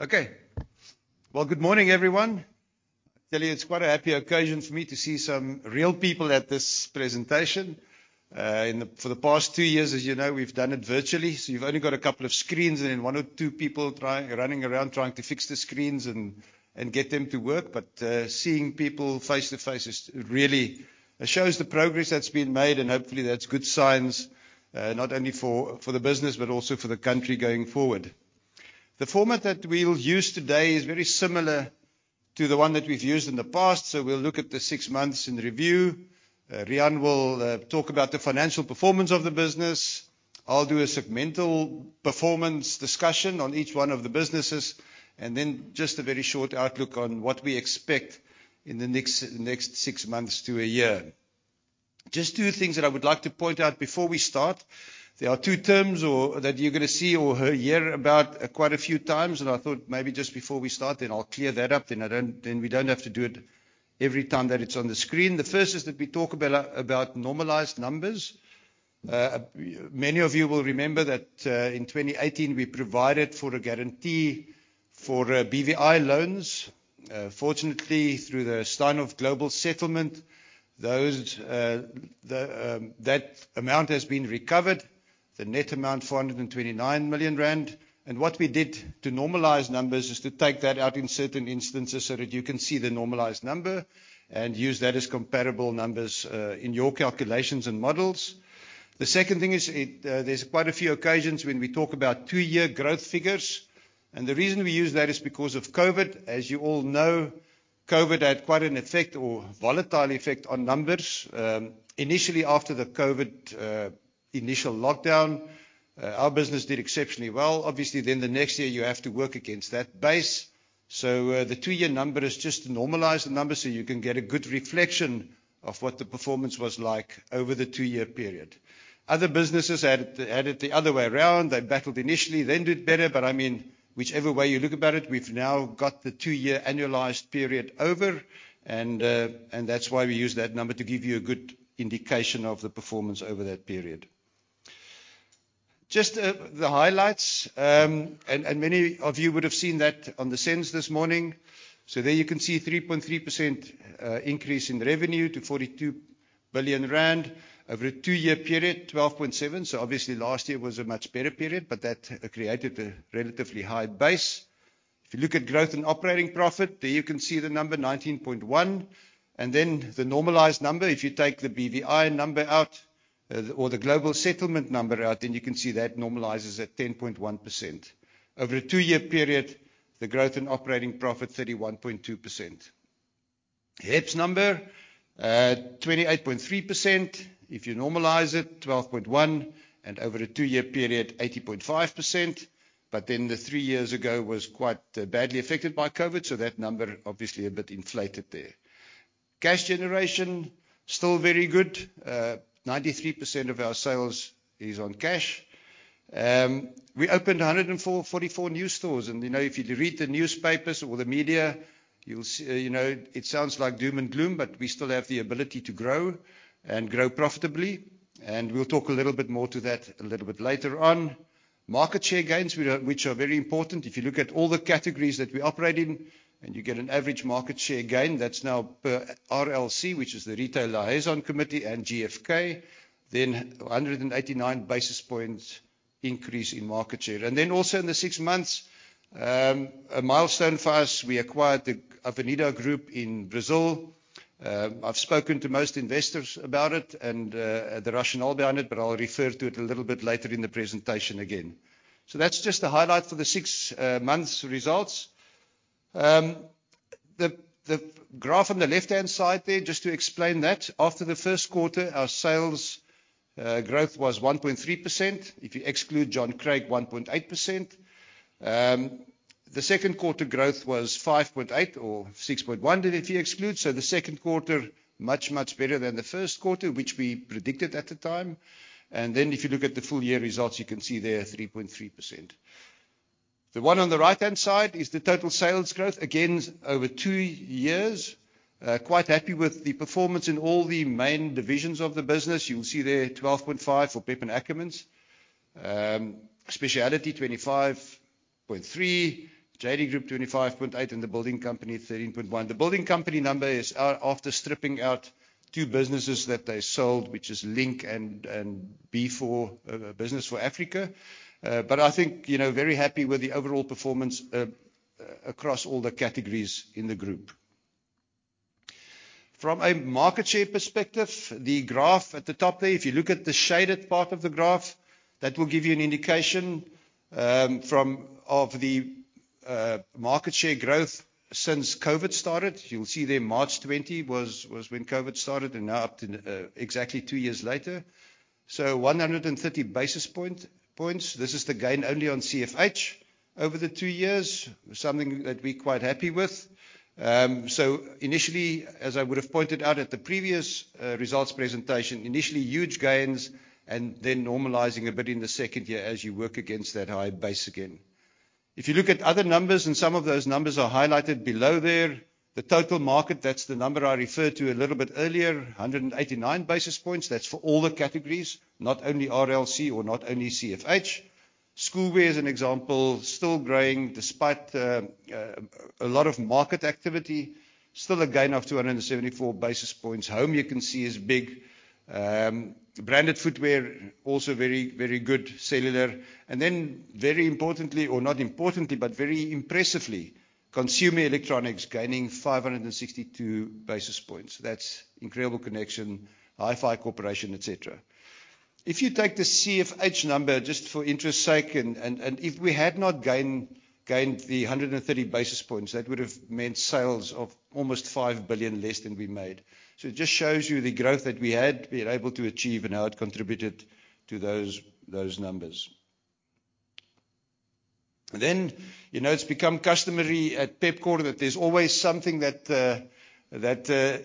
Okay. Well, good morning, everyone. I tell you, it's quite a happy occasion for me to see some real people at this presentation. For the past two years, as you know, we've done it virtually, so you've only got a couple of screens and then one or two people try, running around trying to fix the screens and get them to work. Seeing people face to face is really shows the progress that's been made, and hopefully that's good signs, not only for the business, but also for the country going forward. The format that we'll use today is very similar to the one that we've used in the past. We'll look at the six months in review. Riaan will talk about the financial performance of the business. I'll do a segmental performance discussion on each one of the businesses, and then just a very short outlook on what we expect in the next six months to a year. Just two things that I would like to point out before we start. There are two terms or that you're gonna see or hear about quite a few times, and I thought maybe just before we start then I'll clear that up, then we don't have to do it every time that it's on the screen. The first is that we talk about normalized numbers. Many of you will remember that, in 2018 we provided for a guarantee for BVI loans. Fortunately, through the Steinhoff global settlement, that amount has been recovered, the net amount 429 million rand. What we did to normalize numbers is to take that out in certain instances so that you can see the normalized number and use that as comparable numbers in your calculations and models. The second thing is there's quite a few occasions when we talk about two-year growth figures. The reason we use that is because of COVID. As you all know, COVID had quite an effect or volatile effect on numbers. Initially after the COVID initial lockdown, our business did exceptionally well. Obviously, then the next year you have to work against that base. The two-year number is just to normalize the numbers so you can get a good reflection of what the performance was like over the two-year period. Other businesses had it the other way around. They battled initially, then did better. I mean, whichever way you look about it, we've now got the two-year annualized period over and that's why we use that number to give you a good indication of the performance over that period. Just the highlights, and many of you would have seen that on the SENS this morning. There you can see 3.3% increase in revenue to 42 billion rand. Over a two-year period, 12.7%. Obviously last year was a much better period, but that created a relatively high base. If you look at growth and operating profit, there you can see the number 19.1%. Then the normalized number, if you take the BVI number out, or the global settlement number out, then you can see that normalizes at 10.1%. Over a two-year period, the growth in operating profit 31.2%. HEPS number, 28.3%. If you normalize it, 12.1%. Over a two-year period, 80.5%. Then three years ago was quite badly affected by COVID, so that number obviously a bit inflated there. Cash generation, still very good. 93% of our sales is on cash. We opened 144 new stores, and you know, if you read the newspapers or the media, you'll see, you know, it sounds like doom and gloom, but we still have the ability to grow and grow profitably. We'll talk a little bit more to that a little bit later on. Market share gains, which are very important. If you look at all the categories that we operate in and you get an average market share gain, that's now per RLC, which is the Retail Liaison Committee and GfK, then 189 basis points increase in market share. In the six months, a milestone for us, we acquired the Grupo Avenida in Brazil. I've spoken to most investors about it and, the rationale behind it, but I'll refer to it a little bit later in the presentation again. That's just the highlight for the six months results. The graph on the left-hand side there, just to explain that, after the first quarter, our sales growth was 1.3%. If you exclude John Craig, 1.8%. The second quarter growth was 5.8% or 6.1% if you exclude. The second quarter much, much better than the first quarter, which we predicted at the time. If you look at the full year results, you can see there 3.3%. The one on the right-hand side is the total sales growth, again, over two years. Quite happy with the performance in all the main divisions of the business. You'll see there 12.5% for PEP and Ackermans. Speciality 25.3%. JD Group 25.8%. The Building Company 13.1%. The Building Company number is ours after stripping out two businesses that they sold, which is Link and B4A, Brands 4 Africa. But I think, you know, very happy with the overall performance across all the categories in the group. From a market share perspective, the graph at the top there, if you look at the shaded part of the graph, that will give you an indication of the market share growth since COVID started. You'll see there March 2020 was when COVID started and now up to exactly two years later. 130 basis points. This is the gain only on CFH over the two years. Something that we're quite happy with. Initially, as I would have pointed out at the previous results presentation, initially huge gains and then normalizing a bit in the second year as you work against that high base again. If you look at other numbers, and some of those numbers are highlighted below there. The total market, that's the number I referred to a little bit earlier, 189 basis points. That's for all the categories, not only RLC or not only CFH. Schoolwear as an example, still growing despite a lot of market activity. Still a gain of 274 basis points. Home, you can see is big. Branded footwear, also very, very good. Cellular, and then very importantly or not importantly, but very impressively, consumer electronics gaining 562 basis points. That's Incredible Connection, Hi-Fi Corporation, et cetera. If you take the CFH number just for interest's sake and if we had not gained the 130 basis points, that would've meant sales of almost 5 billion less than we made. It just shows you the growth that we had been able to achieve and how it contributed to those numbers. You know, it's become customary at Pepkor that there's always something that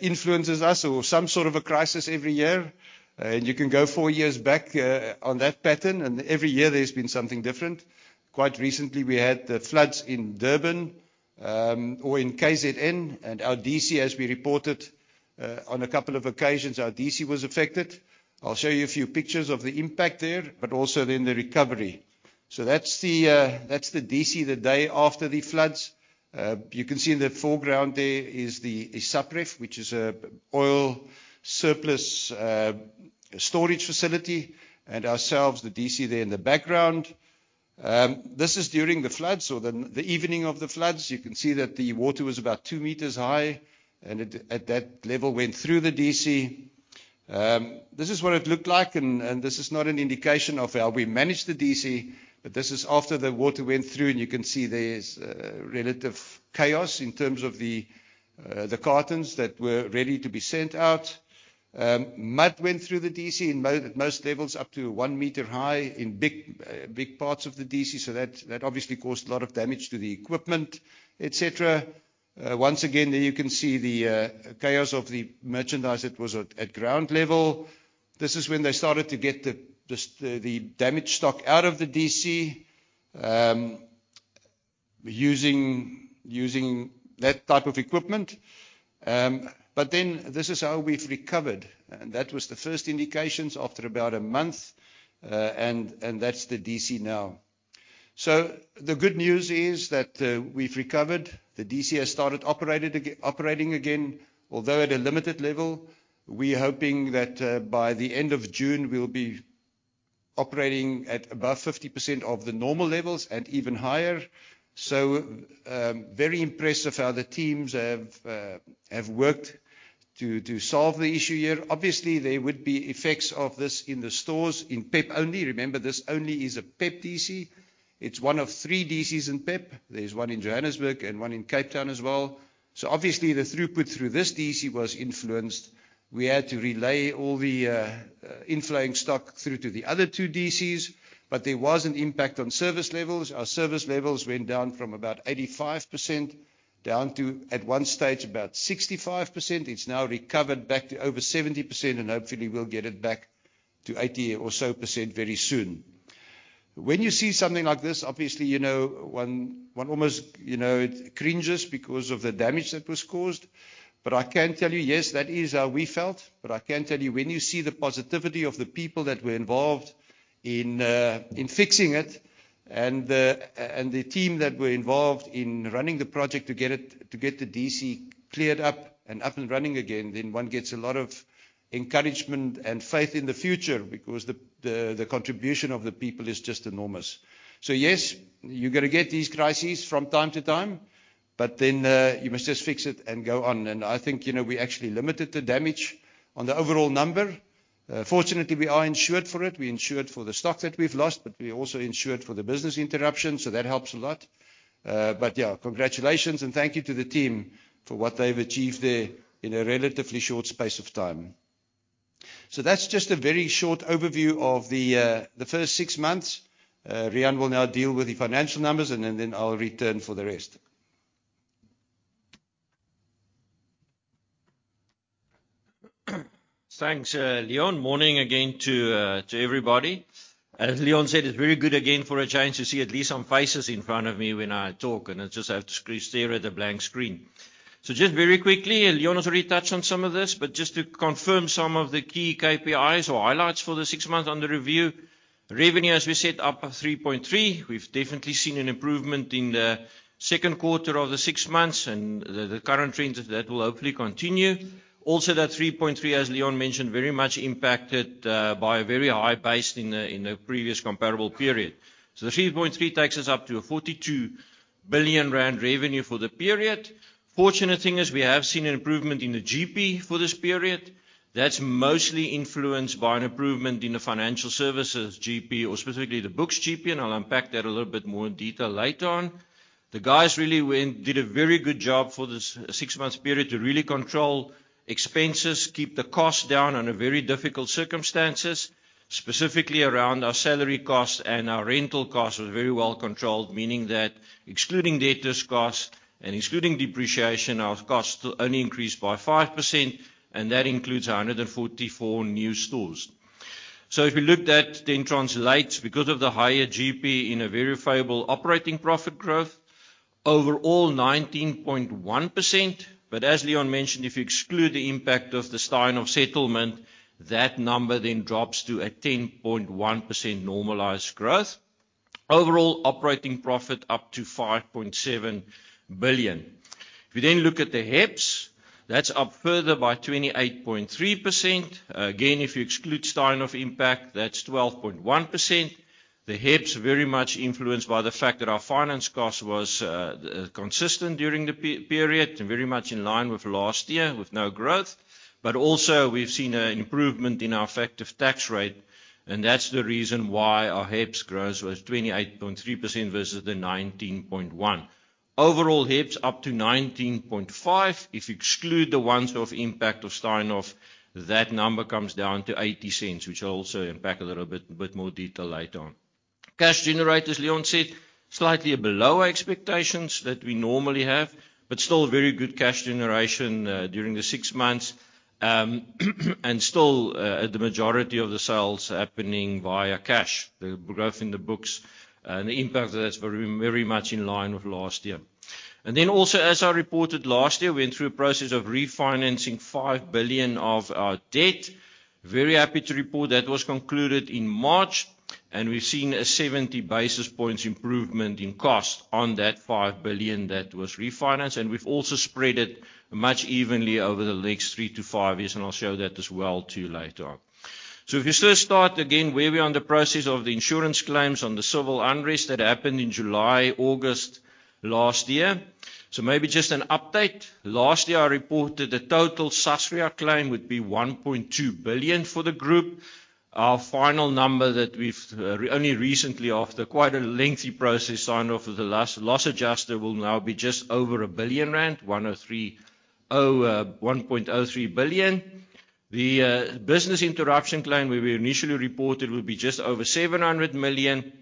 influences us or some sort of a crisis every year. You can go four years back on that pattern, and every year there's been something different. Quite recently, we had the floods in Durban or in KZN, and our DC, as we reported on a couple of occasions, our DC was affected. I'll show you a few pictures of the impact there, but also then the recovery. That's the DC the day after the floods. You can see in the foreground there is the SAPREF, which is an oil surplus storage facility, and ourselves, the DC there in the background. This is during the floods or the evening of the floods. You can see that the water was about 2 m high, and at that level went through the DC This is what it looked like and this is not an indication of how we managed the DC, but this is after the water went through and you can see there's relative chaos in terms of the cartons that were ready to be sent out. Mud went through the DC in most levels up to 1 m high in big parts of the DC, so that obviously caused a lot of damage to the equipment, et cetera. Once again, there you can see the chaos of the merchandise that was at ground level. This is when they started to get the damaged stock out of the DC, using that type of equipment. This is how we've recovered. That was the first indications after about a month, and that's the DC now. The good news is that we've recovered. The DC has started operating again, although at a limited level. We're hoping that by the end of June we'll be operating at above 50% of the normal levels and even higher. Very impressive how the teams have worked to solve the issue here. Obviously, there would be effects of this in the stores in PEP only. Remember, this only is a PEP DC. It's one of three DCs in PEP. There's one in Johannesburg and one in Cape Town as well. Obviously the throughput through this DC was influenced. We had to relay all the inflowing stock through to the other two DCs, but there was an impact on service levels. Our service levels went down from about 85% down to, at one stage, about 65%. It's now recovered back to over 70% and hopefully we'll get it back to 80% or so very soon. When you see something like this, obviously, you know, one almost, you know, cringes because of the damage that was caused. But I can tell you, yes, that is how we felt, but I can tell you, when you see the positivity of the people that were involved in fixing it, and the team that were involved in running the project to get it. To get the DC cleared up and running again, then one gets a lot of encouragement and faith in the future because the contribution of the people is just enormous. Yes, you're gonna get these crises from time to time, but then you must just fix it and go on. I think, you know, we actually limited the damage on the overall number. Fortunately, we are insured for it. We insured for the stock that we've lost, but we also insured for the business interruption, so that helps a lot. But yeah, congratulations and thank you to the team for what they've achieved there in a relatively short space of time. That's just a very short overview of the first six months. Riaan will now deal with the financial numbers, and then I'll return for the rest. Thanks, Leon. Morning again to everybody. As Leon said, it's very good again for a change to see at least some faces in front of me when I talk, and I just have to stare at a blank screen. Just very quickly, Leon has already touched on some of this, but just to confirm some of the key KPIs or highlights for the six months under review. Revenue, as we said, up at 3.3%. We've definitely seen an improvement in the second quarter of the six months and the current trends of that will hopefully continue. Also, that 3.3%, as Leon mentioned, very much impacted by a very high base in the previous comparable period. The 3.3% takes us up to a 42 billion rand revenue for the period. Fortunate thing is we have seen an improvement in the GP for this period. That's mostly influenced by an improvement in the financial services GP or specifically the books GP, and I'll unpack that a little bit more in detail later on. The guys really did a very good job for this six months period to really control expenses, keep the costs down under very difficult circumstances, specifically around our salary costs and our rental costs were very well controlled. Meaning that excluding debtors cost and excluding depreciation, our costs still only increased by 5%, and that includes 144 new stores. If we look at it, then it translates into a very favorable operating profit growth, overall 19.1%. As Leon mentioned, if you exclude the impact of the Steinhoff settlement, that number then drops to a 10.1% normalized growth. Overall operating profit up to 5.7 billion. If we then look at the HEPS, that's up further by 28.3%. Again, if you exclude Steinhoff impact, that's 12.1%. The HEPS very much influenced by the fact that our finance cost was consistent during the period and very much in line with last year with no growth. Also we've seen an improvement in our effective tax rate, and that's the reason why our HEPS growth was 28.3% versus the 19.1%. Overall HEPS up to 19.5%. If you exclude the once-off impact of Steinhoff, that number comes down to 0.80, which I'll also unpack a little bit, a bit more detail later on. Cash generation, Leon said, slightly below expectations that we normally have, but still very good cash generation during the six months. Still, the majority of the sales happening via cash. The growth in the books and the impact of that is very, very much in line with last year. As I reported last year, we went through a process of refinancing 5 billion of our debt. Very happy to report that was concluded in March, and we've seen a 70 basis points improvement in cost on that 5 billion that was refinanced, and we've also spread it much evenly over the next 3-5 years, and I'll show that as well to you later on. If you first start again, where we are in the process of the insurance claims on the civil unrest that happened in July, August last year. Maybe just an update. Last year, I reported the total SASRIA claim would be 1.2 billion for the group. Our final number that we've only recently, after quite a lengthy process signed off with the loss adjuster, will now be just over 1 billion rand, 1.03 billion. The business interruption claim we initially reported will be just over 700 million.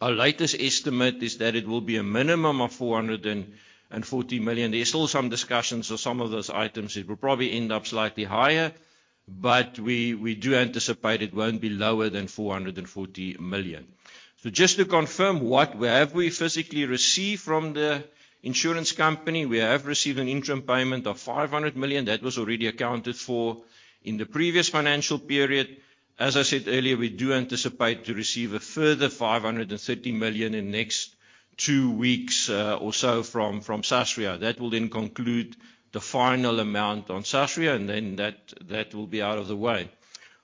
Our latest estimate is that it will be a minimum of 440 million. There's still some discussions on some of those items. It will probably end up slightly higher, but we do anticipate it won't be lower than 440 million. Just to confirm what we have, we physically received from the insurance company. We have received an interim payment of 500 million. That was already accounted for in the previous financial period. As I said earlier, we do anticipate to receive a further 530 million in next two weeks or so from SASRIA. That will then conclude the final amount on SASRIA, and then that will be out of the way.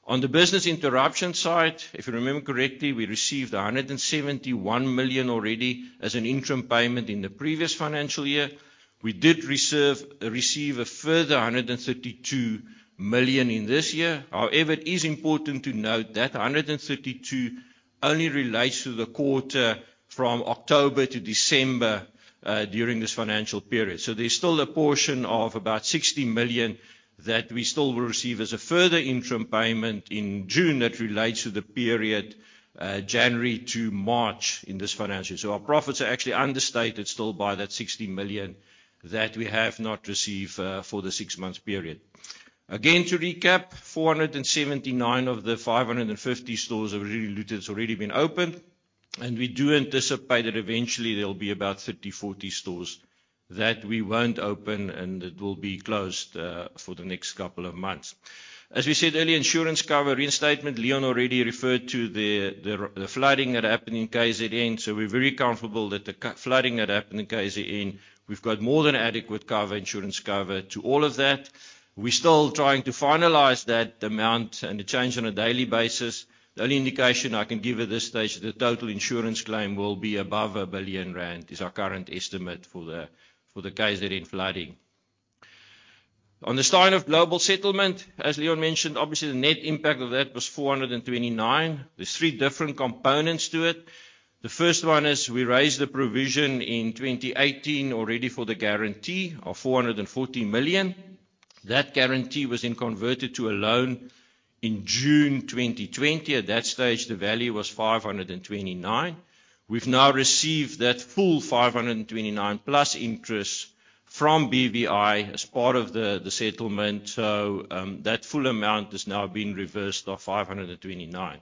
On the business interruption side, if you remember correctly, we received 171 million already as an interim payment in the previous financial year. We did receive a further 132 million in this year. However, it is important to note that 132 million only relates to the quarter from October to December during this financial period. There's still a portion of about 60 million that we still will receive as a further interim payment in June that relates to the period January to March in this financial year. Our profits are actually understated still by that 60 million that we have not received for the six months period. To recap, 479 of the 550 stores have really looted, has already been opened, and we do anticipate that eventually there'll be about 30, 40 stores that we won't open and it will be closed for the next couple of months. As we said earlier, insurance cover reinstatement, Leon already referred to the flooding that happened in KZN, so we're very comfortable that the flooding that happened in KZN, we've got more than adequate insurance cover to all of that. We're still trying to finalize that amount, and it change on a daily basis. The only indication I can give at this stage, the total insurance claim will be above 1 billion rand, is our current estimate for the KZN flooding. On the Steinhoff global settlement, as Leon mentioned, obviously the net impact of that was 429. There are three different components to it. The first one is we raised the provision in 2018 already for the guarantee of 440 million. That guarantee was then converted to a loan in June 2020. At that stage, the value was 529. We've now received that full 529 plus interest from BVI as part of the settlement. That full amount has now been reversed of 529.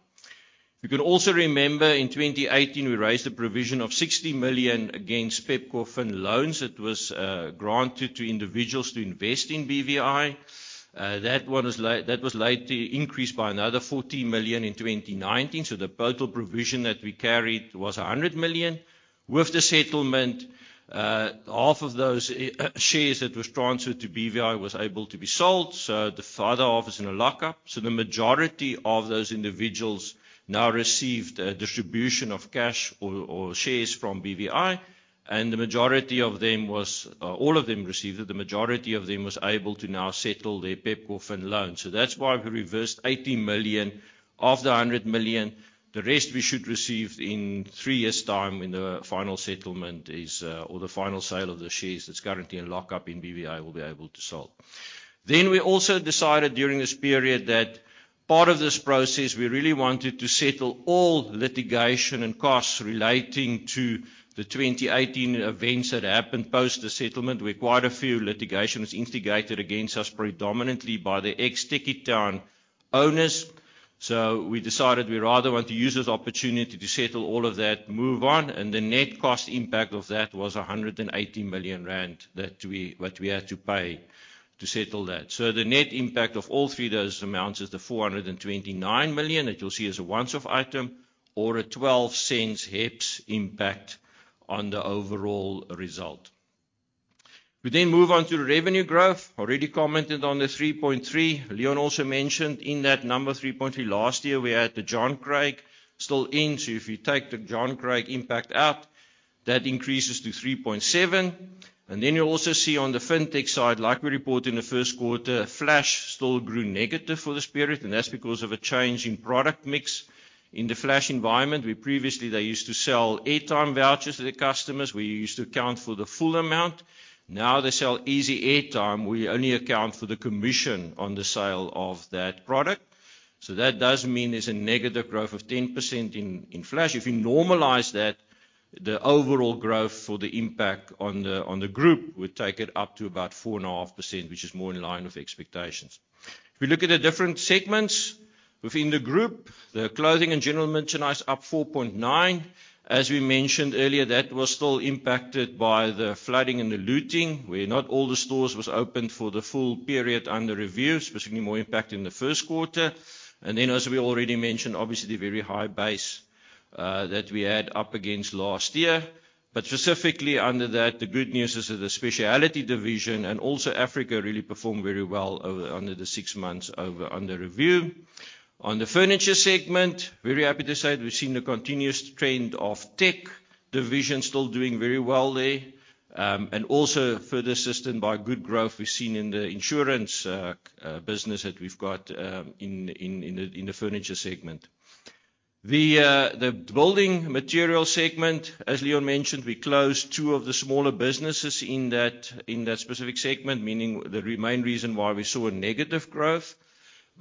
You could also remember in 2018, we raised a provision of 60 million against Pepkorfin loans that was granted to individuals to invest in BVI. That was later increased by another 40 million in 2019, so the total provision that we carried was 100 million. With the settlement, half of those shares that was transferred to BVI was able to be sold, so the other half is in a lockup. The majority of those individuals now received a distribution of cash or shares from BVI, and all of them received it. The majority of them was able to now settle their PepkorFin loan. That's why we reversed 80 million of the 100 million. The rest we should receive in three years' time when the final settlement is or the final sale of the shares that's currently in lockup in BVI will be able to sell. We also decided during this period that part of this process, we really wanted to settle all litigation and costs relating to the 2018 events that happened post the settlement, where quite a few litigations instigated against us, predominantly by the ex-Tekkie Town owners. We decided we rather want to use this opportunity to settle all of that, move on, and the net cost impact of that was 180 million rand what we had to pay to settle that. The net impact of all three of those amounts is the 429 million that you'll see as a once-off item or a 0.12 HEPS impact on the overall result. We then move on to the revenue growth. Already commented on the 3.3%. Leon also mentioned in that number 3.3%, last year we had the John Craig still in. If you take the John Craig impact out, that increases to 3.7%. You'll also see on the FinTech side, like we reported in the first quarter, Flash still grew negative for this period, and that's because of a change in product mix. In the Flash environment, they used to sell airtime vouchers to the customers. We used to account for the full amount. Now they sell easy airtime. We only account for the commission on the sale of that product. That does mean there's a negative growth of 10% in Flash. If you normalize that, the overall growth for the impact on the group would take it up to about 4.5%, which is more in line with expectations. If we look at the different segments within the group, the Clothing and General Merchandise up 4.9%. As we mentioned earlier, that was still impacted by the flooding and the looting, where not all the stores was opened for the full period under review, specifically more impact in the first quarter. As we already mentioned, obviously the very high base that we had up against last year. Specifically under that, the good news is that the specialty division and also Africa really performed very well over the six months under review. On the furniture segment, very happy to say that we've seen a continuous trend of tech division still doing very well there. Also further assisted by good growth we've seen in the insurance business that we've got in the furniture segment. The building material segment, as Leon mentioned, we closed two of the smaller businesses in that specific segment, meaning the main reason why we saw a negative growth.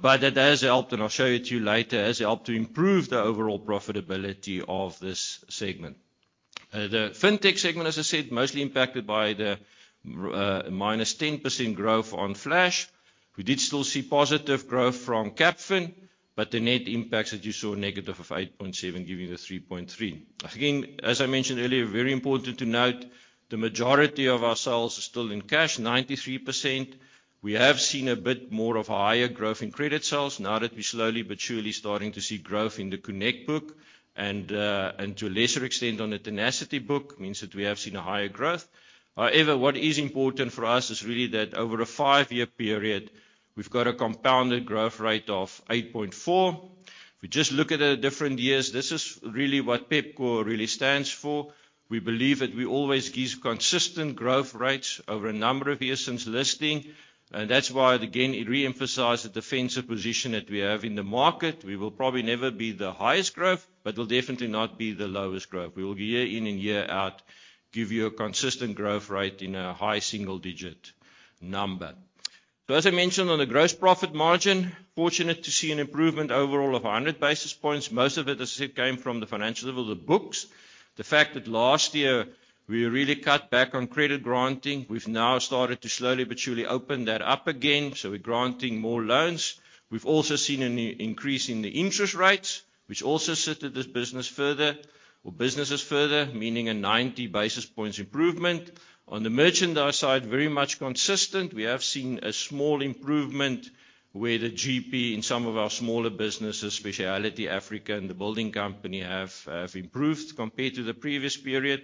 It has helped, and I'll show it to you later, to improve the overall profitability of this segment. The FinTech segment, as I said, mostly impacted by the -10% growth on Flash. We did still see positive growth from Capfin, but the net impacts that you saw negative of 8.7%, giving you the 3.3%. Again, as I mentioned earlier, very important to note, the majority of our sales are still in cash, 93%. We have seen a bit more of a higher growth in credit sales now that we slowly but surely starting to see growth in the Connect book and to a lesser extent on the Tenacity book, means that we have seen a higher growth. However, what is important for us is really that over a five-year period, we've got a compounded growth rate of 8.4%. If we just look at the different years, this is really what Pepkor really stands for. We believe that we always give consistent growth rates over a number of years since listing, and that's why, again, it re-emphasize the defensive position that we have in the market. We will probably never be the highest growth, but we'll definitely not be the lowest growth. We will year in and year out, give you a consistent growth rate in a high single digit number. As I mentioned on the gross profit margin, fortunate to see an improvement overall of 100 basis points. Most of it, as I said, came from the financial level of the books. The fact that last year we really cut back on credit granting, we've now started to slowly but surely open that up again, so we're granting more loans. We've also seen an increase in the interest rates, which also assisted this business further or businesses further, meaning a 90 basis points improvement. On the merchandise side, very much consistent. We have seen a small improvement where the GP in some of our smaller businesses, Speciality Africa and the Building Company, have improved compared to the previous period.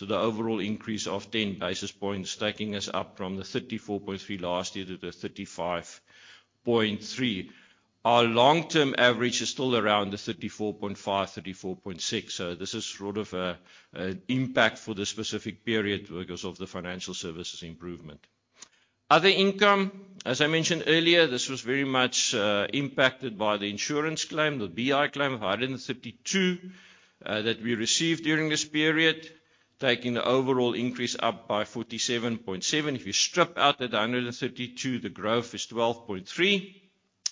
The overall increase of 10 basis points taking us up from the 34.3% last year to the 35.3%. Our long-term average is still around the 34.5%-34.6%. This is sort of an impact for this specific period because of the financial services improvement. Other income, as I mentioned earlier, this was very much impacted by the insurance claim, the BI claim of 132 that we received during this period, taking the overall increase up by 47.7%. If you strip out the 132, the growth is 12.3%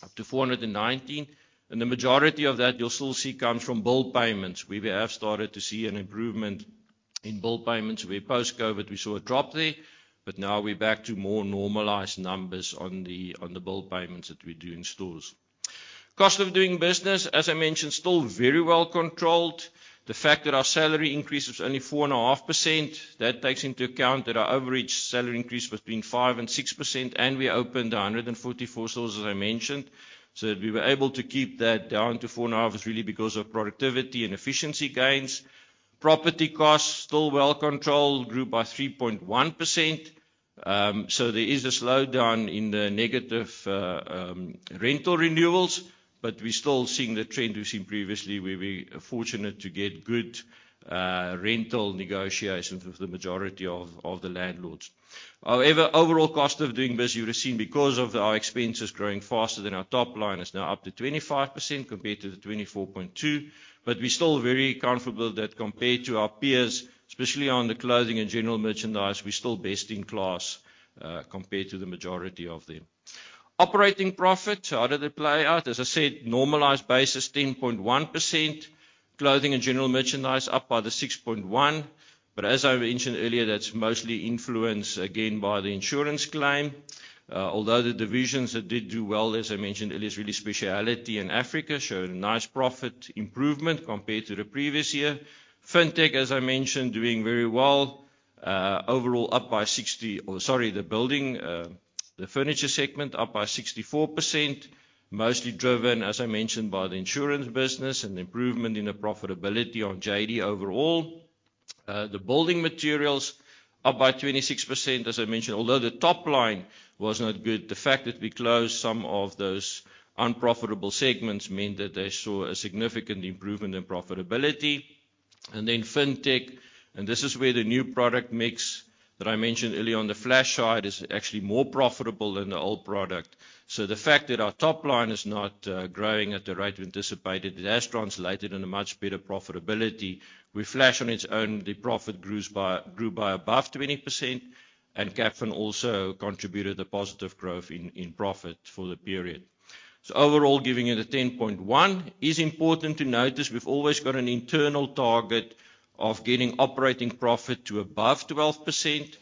up to 419. The majority of that you'll still see comes from bill payments, where we have started to see an improvement in bill payments, where post-COVID we saw a drop there, but now we're back to more normalized numbers on the bill payments that we do in stores. Cost of doing business, as I mentioned, still very well controlled. The fact that our salary increase was only 4.5%, that takes into account that our average salary increase was between 5%-6%, and we opened 144 stores, as I mentioned. That we were able to keep that down to 4.5% is really because of productivity and efficiency gains. Property costs still well controlled, grew by 3.1%. There is a slowdown in the negative rental renewals, but we're still seeing the trend we've seen previously where we are fortunate to get good rental negotiations with the majority of the landlords. However, overall cost of doing business you've seen because of our expenses growing faster than our top line is now up to 25% compared to the 24.2%. We're still very comfortable that compared to our peers, especially on the Clothing and General Merchandise, we're still best in class, compared to the majority of them. Operating profit, so how did it play out? As I said, normalized basis, 10.1%. Clothing and General Merchandise up by the 6.1%, but as I mentioned earlier, that's mostly influenced again by the insurance claim. Although the divisions that did do well, as I mentioned earlier, is really Speciality in Africa showed a nice profit improvement compared to the previous year. FinTech, as I mentioned, doing very well. Overall up by 60%. Sorry, the building, the furniture segment up by 64%, mostly driven, as I mentioned, by the insurance business and improvement in the profitability of JD overall. The building materials up by 26%, as I mentioned, although the top line was not good, the fact that we closed some of those unprofitable segments meant that they saw a significant improvement in profitability. Then FinTech, and this is where the new product mix that I mentioned earlier on the Flash side is actually more profitable than the old product. The fact that our top line is not growing at the rate we anticipated, it has translated in a much better profitability. With Flash on its own, the profit grew by above 20%, and Capfin also contributed a positive growth in profit for the period. Overall, giving it a 10.1%. It is important to note this, we've always got an internal target of getting operating profit to above 12%.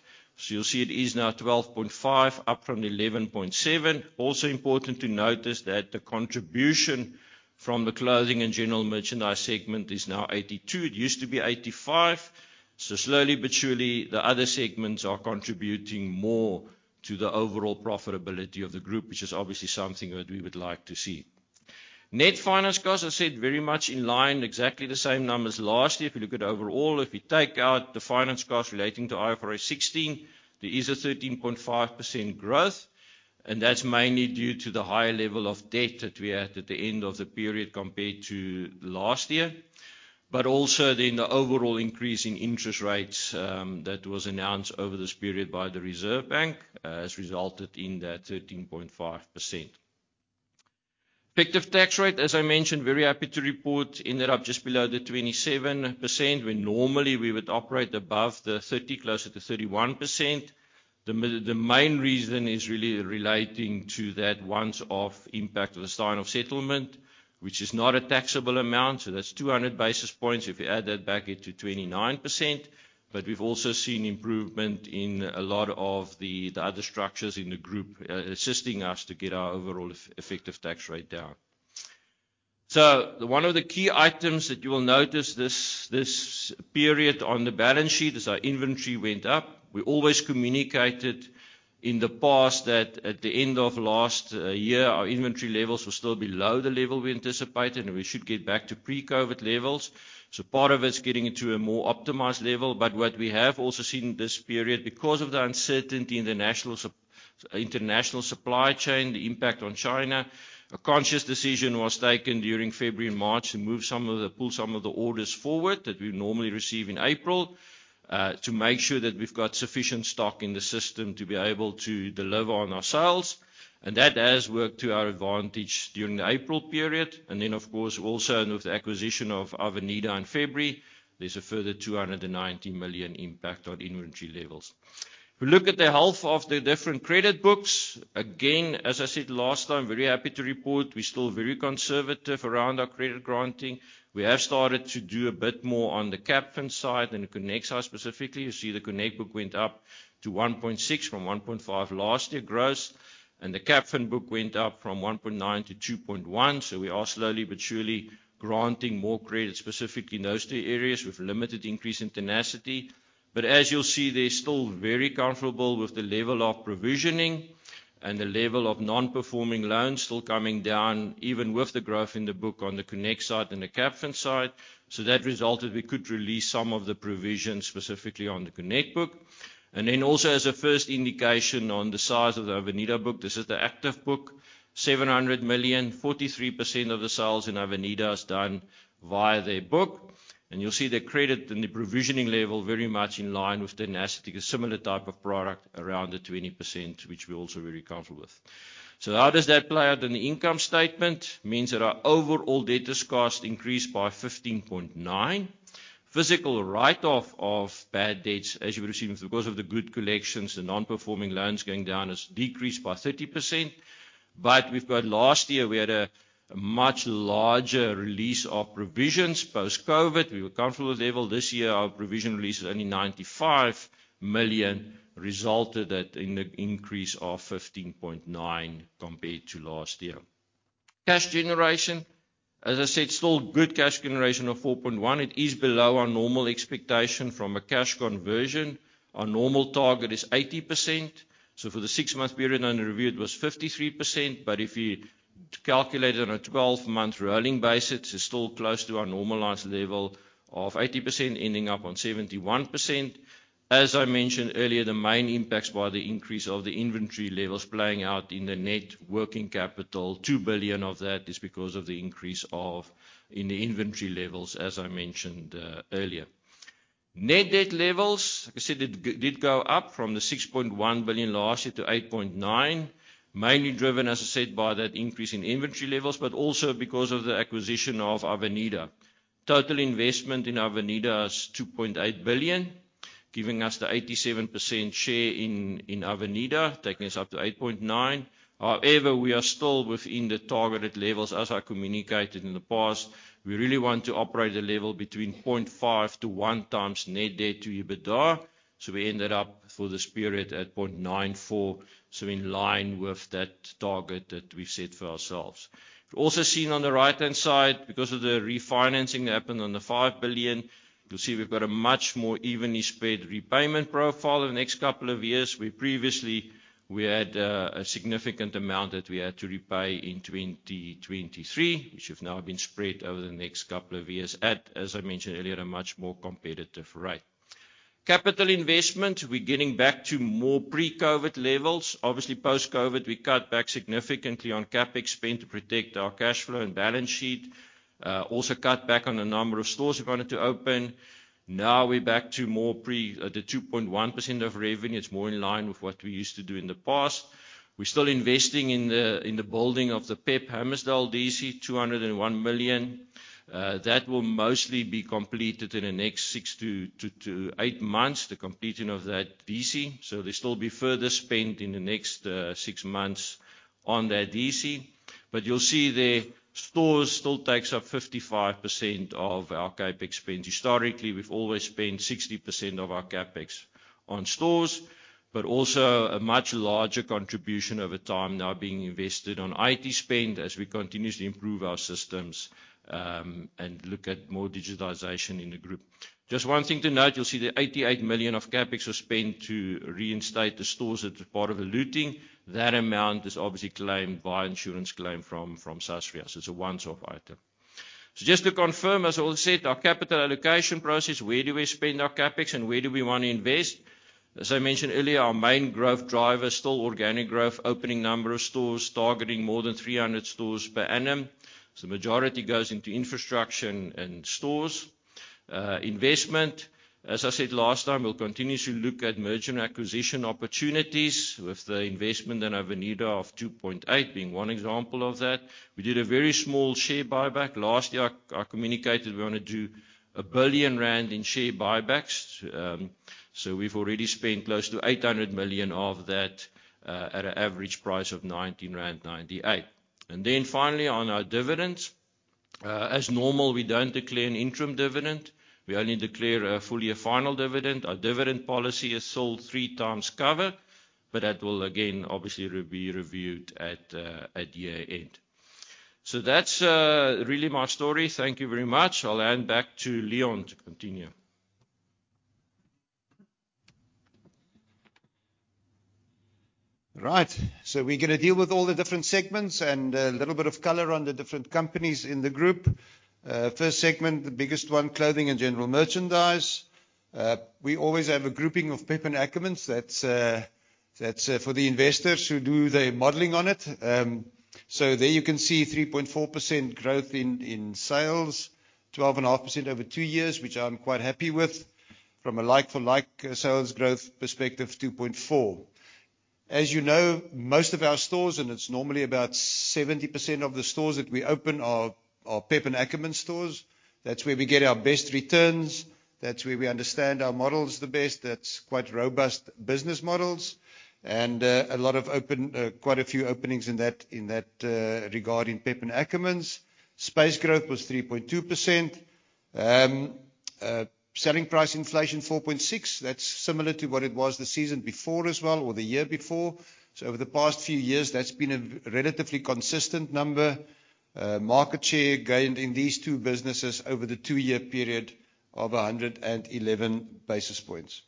You'll see it is now 12.5%, up from 11.7%. Also important to note is that the contribution from the Clothing and General Merchandise segment is now 82%. It used to be 85%. Slowly but surely the other segments are contributing more to the overall profitability of the group, which is obviously something that we would like to see. Net finance costs, I said, very much in line, exactly the same numbers last year. If you look at overall, if you take out the finance costs relating to IFRS 16, there is a 13.5% growth, and that's mainly due to the higher level of debt that we had at the end of the period compared to last year. The overall increase in interest rates that was announced over this period by the Reserve Bank has resulted in that 13.5%. Effective tax rate, as I mentioned, very happy to report ended up just below the 27%, when normally we would operate above the 30, closer to 31%. The main reason is really relating to that once-off impact of the Steinhoff settlement, which is not a taxable amount, so that's 200 basis points if you add that back into 29%. We've also seen improvement in a lot of the other structures in the group, assisting us to get our overall effective tax rate down. One of the key items that you will notice this period on the balance sheet is our inventory went up. We always communicated in the past that at the end of last year, our inventory levels were still below the level we anticipated, and we should get back to pre-COVID levels. Part of it is getting into a more optimized level. What we have also seen this period, because of the uncertainty in the international supply chain, the impact on China, a conscious decision was taken during February and March to move some of the... Pull some of the orders forward that we would normally receive in April, to make sure that we've got sufficient stock in the system to be able to deliver on our sales. That has worked to our advantage during the April period. Of course also with the acquisition of Avenida in February, there's a further 290 million impact on inventory levels. If we look at the health of the different credit books, again, as I said last time, very happy to report we're still very conservative around our credit granting. We have started to do a bit more on the Capfin side than the Connect side specifically. You see the Connect book went up to 1.6 from 1.5 last year gross, and the Capfin book went up from 1.9-2.1. We are slowly but surely granting more credit, specifically in those two areas with limited increase in Tenacity. As you'll see, they're still very comfortable with the level of provisioning and the level of non-performing loans still coming down even with the growth in the book on the Connect side and the Capfin side. That resulted. We could release some of the provisions specifically on the Connect book. Then also as a first indication on the size of the Avenida book, this is the active book, 700 million. 43% of the sales in Avenida is done via their book. You'll see the credit and the provisioning level very much in line with Tenacity, a similar type of product, around the 20%, which we're also very comfortable with. How does that play out in the income statement? means our overall debtors cost increased by 15.9. Physical write-off of bad debts, as you would assume, because of the good collections, the non-performing loans going down has decreased by 30%. We've got last year, we had a much larger release of provisions post-COVID. We were comfortable with the level. This year, our provision release is only 95 million, resulted in the increase of 15.9 compared to last year. Cash generation, as I said, still good cash generation of 4.1. It is below our normal expectation from a cash conversion. Our normal target is 80%. For the six-month period under review, it was 53%. If you calculate it on a 12-month rolling basis, it's still close to our normalized level of 80%, ending up on 71%. As I mentioned earlier, the main impacts were the increase of the inventory levels playing out in the net working capital. 2 billion of that is because of the increase in the inventory levels, as I mentioned, earlier. Net debt levels, like I said, it did go up from the 6.1 billion last year to 8.9 billion. Mainly driven, as I said, by that increase in inventory levels, but also because of the acquisition of Avenida. Total investment in Avenida is 2.8 billion. Giving us the 87% share in Avenida, taking us up to 8.9 billion. However, we are still within the targeted levels. As I communicated in the past, we really want to operate a level between 0.5x to 1x net debt to EBITDA. So we ended up for this period at 0.94. In line with that target that we've set for ourselves. We've also seen on the right-hand side, because of the refinancing that happened on the 5 billion, you'll see we've got a much more evenly spread repayment profile the next couple of years. We previously had a significant amount that we had to repay in 2023, which have now been spread over the next couple of years at, as I mentioned earlier, a much more competitive rate. Capital investment. We're getting back to more pre-COVID levels. Obviously, post-COVID, we cut back significantly on CapEx spend to protect our cash flow and balance sheet. Also cut back on the number of stores we wanted to open. Now we're back to the 2.1% of revenue. It's more in line with what we used to do in the past. We're still investing in the building of the PEP Hammersdale DC, 201 million. That will mostly be completed in the next 6-7 months, the completion of that DC. There'll still be further spend in the next six months on that DC. You'll see there, stores still takes up 55% of our CapEx spend. Historically, we've always spent 60% of our CapEx on stores. But also a much larger contribution over time now being invested on IT spend as we continuously improve our systems and look at more digitization in the group. Just one thing to note, you'll see that 88 million of CapEx was spent to reinstate the stores that were part of the looting. That amount is obviously claimed via insurance claim from SASRIA. It's a once-off item. Just to confirm, as I said, our capital allocation process, where do we spend our CapEx and where do we want to invest? As I mentioned earlier, our main growth driver is still organic growth. Opening number of stores, targeting more than 300 stores per annum. The majority goes into infrastructure and stores. Investment, as I said last time, we'll continue to look at merger and acquisition opportunities with the investment in Avenida of 2.8 being one example of that. We did a very small share buyback. Last year, I communicated we want to do 1 billion rand in share buybacks. We've already spent close to 800 million of that, at an average price of 19.98 rand. Then finally on our dividends, as normal, we don't declare an interim dividend. We only declare a full year final dividend. Our dividend policy is still three times covered, but that will again obviously be reviewed at year end. That's really my story. Thank you very much. I'll hand back to Leon to continue. Right. We're gonna deal with all the different segments and a little bit of color on the different companies in the group. First segment, the biggest one, Clothing and General Merchandise. We always have a grouping of PEP and Ackermans. That's for the investors who do their modeling on it. There you can see 3.4% growth in sales. 12.5% over two years, which I'm quite happy with. From a like-for-like sales growth perspective, 2.4%. As you know, most of our stores, and it's normally about 70% of the stores that we open are PEP and Ackermans stores. That's where we get our best returns. That's where we understand our models the best. That's quite robust business models, and a lot of open. Quite a few openings in that regarding PEP and Ackermans. Space growth was 3.2%. Selling price inflation, 4.6%. That's similar to what it was the season before as well or the year before. Over the past few years, that's been a relatively consistent number. Market share gained in these two businesses over the two-year period of 111 basis points.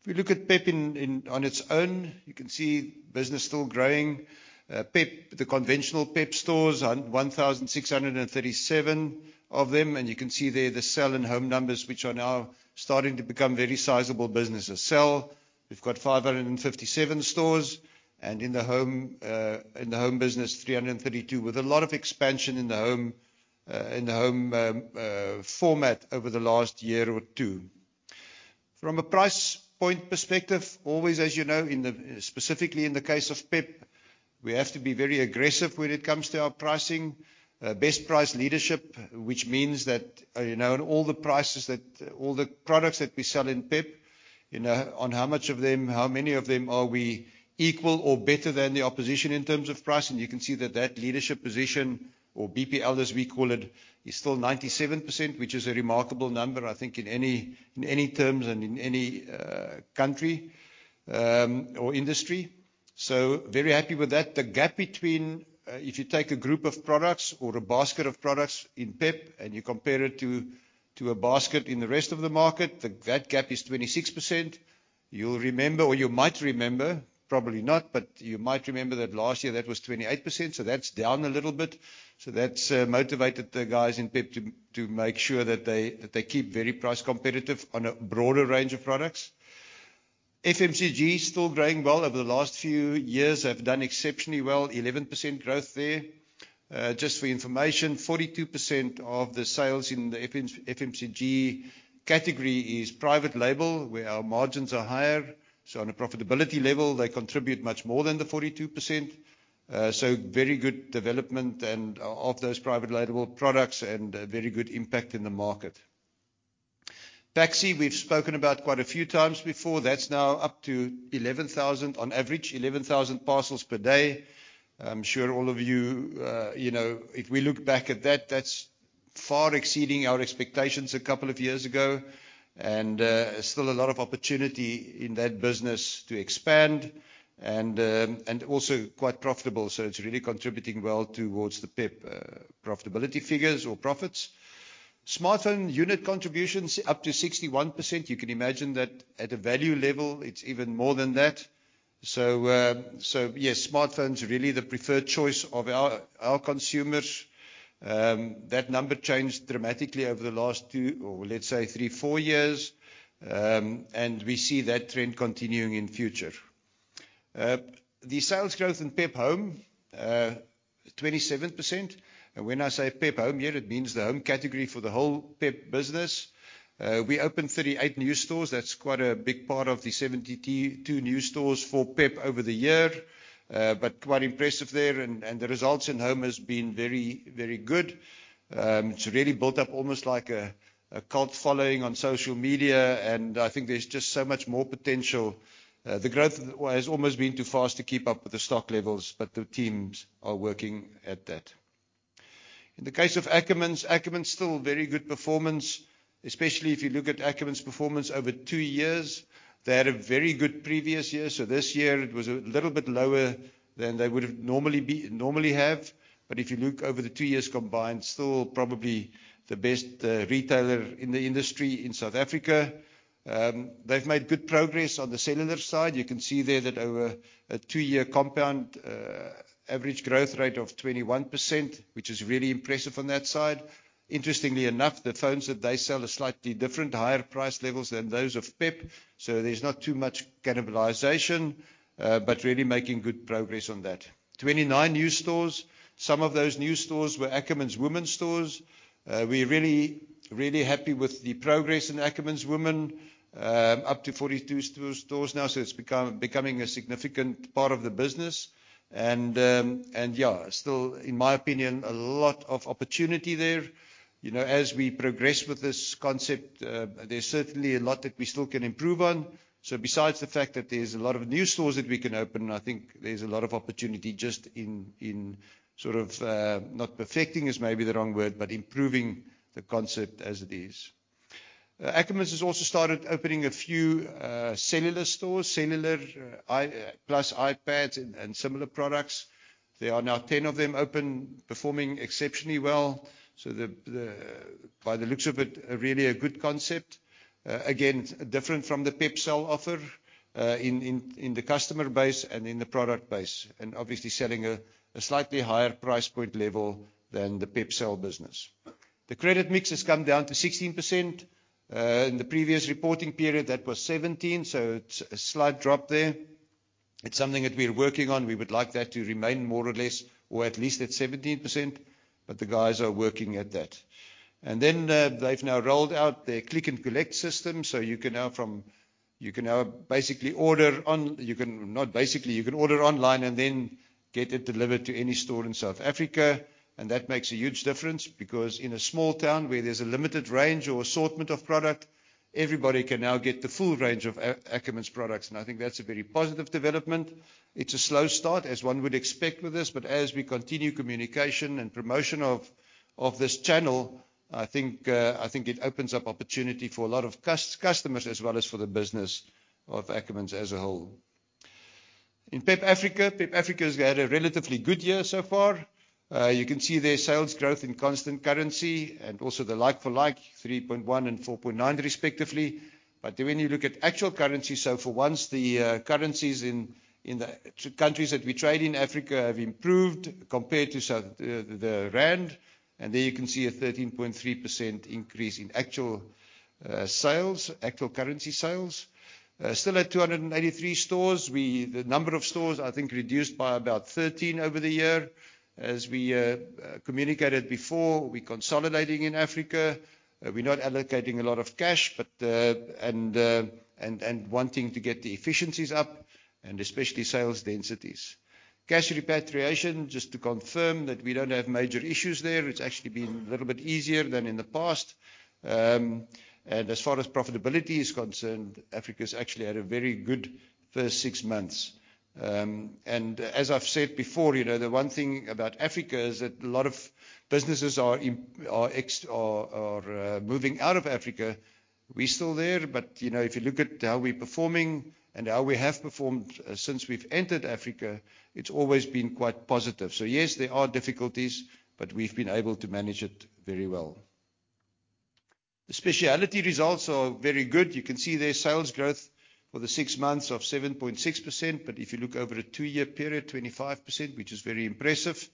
If we look at PEP on its own, you can see business still growing. PEP, the conventional PEP stores, 1,637 of them. You can see there the Cell and Home numbers, which are now starting to become very sizable businesses. Cell, we've got 557 stores. In the Home business, 332, with a lot of expansion in the Home format over the last year or two. From a price point perspective, always, as you know, specifically in the case of PEP, we have to be very aggressive when it comes to our pricing. Best price leadership, which means that, you know, all the products that we sell in PEP, you know, how many of them are we equal or better than the opposition in terms of price? You can see that that leadership position or BPL, as we call it, is still 97%, which is a remarkable number, I think, in any terms and in any country or industry. Very happy with that. The gap between if you take a group of products or a basket of products in PEP and you compare it to a basket in the rest of the market, that gap is 26%. You'll remember or you might remember, probably not, but you might remember that last year that was 28%, so that's down a little bit. That's motivated the guys in PEP to make sure that they keep very price competitive on a broader range of products. FMCG still growing well. Over the last few years have done exceptionally well, 11% growth there. Just for information, 42% of the sales in the FMCG category is private label, where our margins are higher. On a profitability level, they contribute much more than the 42%. Very good development and of those private label products and very good impact in the market. PAXI, we've spoken about quite a few times before. That's now up to 11,000 on average 11,000 parcels per day. I'm sure all of you, if we look back at that's far exceeding our expectations a couple of years ago. Still a lot of opportunity in that business to expand and also quite profitable. It's really contributing well towards the PEP profitability figures or profits. Smartphone unit contributions up to 61%. You can imagine that at a value level, it's even more than that. Smartphone's really the preferred choice of our consumers. That number changed dramatically over the last two, or let's say three, four years. We see that trend continuing in future. The sales growth in PEP Home, 27%. When I say PEP Home here, it means the home category for the whole PEP business. We opened 38 new stores. That's quite a big part of the 72 new stores for PEP over the year. But quite impressive there, and the results in Home has been very, very good. It's really built up almost like a cult following on social media, and I think there's just so much more potential. The growth has almost been too fast to keep up with the stock levels, but the teams are working at that. In the case of Ackermans still very good performance, especially if you look at Ackermans' performance over two years. They had a very good previous year, so this year it was a little bit lower than they would have normally have. If you look over the two years combined, still probably the best retailer in the industry in South Africa. They've made good progress on the cellular side. You can see there that over a two-year compound average growth rate of 21%, which is really impressive on that side. Interestingly enough, the phones that they sell are slightly different, higher price levels than those of PEP, so there's not too much cannibalization, but really making good progress on that. 29 new stores. Some of those new stores were Ackermans women's stores. We're really, really happy with the progress in Ackermans women's. Up to 42 stores now, so it's becoming a significant part of the business and yeah, still, in my opinion, a lot of opportunity there. You know, as we progress with this concept, there's certainly a lot that we still can improve on. Besides the fact that there's a lot of new stores that we can open, I think there's a lot of opportunity just in sort of not perfecting is maybe the wrong word, but improving the concept as it is. Ackermans has also started opening a few cellular stores. Cellular iPhones plus iPads and similar products. There are now 10 of them open, performing exceptionally well. By the looks of it, really a good concept. Again, different from the PEP Cell offer, in the customer base and in the product base, and obviously selling a slightly higher price point level than the PEP Cell business. The credit mix has come down to 16%. In the previous reporting period, that was 17%, so it's a slight drop there. It's something that we're working on. We would like that to remain more or less or at least at 17%, but the guys are working at that. They've now rolled out their click and collect system, so you can now order online and then get it delivered to any store in South Africa. That makes a huge difference because in a small town where there's a limited range or assortment of product, everybody can now get the full range of Ackermans products, and I think that's a very positive development. It's a slow start, as one would expect with this, but as we continue communication and promotion of this channel, I think it opens up opportunity for a lot of customers as well as for the business of Ackermans as a whole. In PEP Africa, PEP Africa has had a relatively good year so far. You can see their sales growth in constant currency and also the like-for-like, 3.1% and 4.9% respectively. When you look at actual currency, so for once the currencies in the countries that we trade in Africa have improved compared to South Africa—the rand, and there you can see a 13.3% increase in actual sales, actual currency sales. Still at 283 stores. The number of stores I think reduced by about 13 over the year. As we communicated before, we're consolidating in Africa. We're not allocating a lot of cash, but and wanting to get the efficiencies up and especially sales densities. Cash repatriation, just to confirm that we don't have major issues there. It's actually been a little bit easier than in the past. And as far as profitability is concerned, Africa's actually had a very good first six months. As I've said before, you know, the one thing about Africa is that a lot of businesses are moving out of Africa. We're still there, but, you know, if you look at how we're performing and how we have performed since we've entered Africa, it's always been quite positive. Yes, there are difficulties, but we've been able to manage it very well. The Speciality results are very good. You can see their sales growth for the six months of 7.6%, but if you look over a two-year period, 25%, which is very impressive.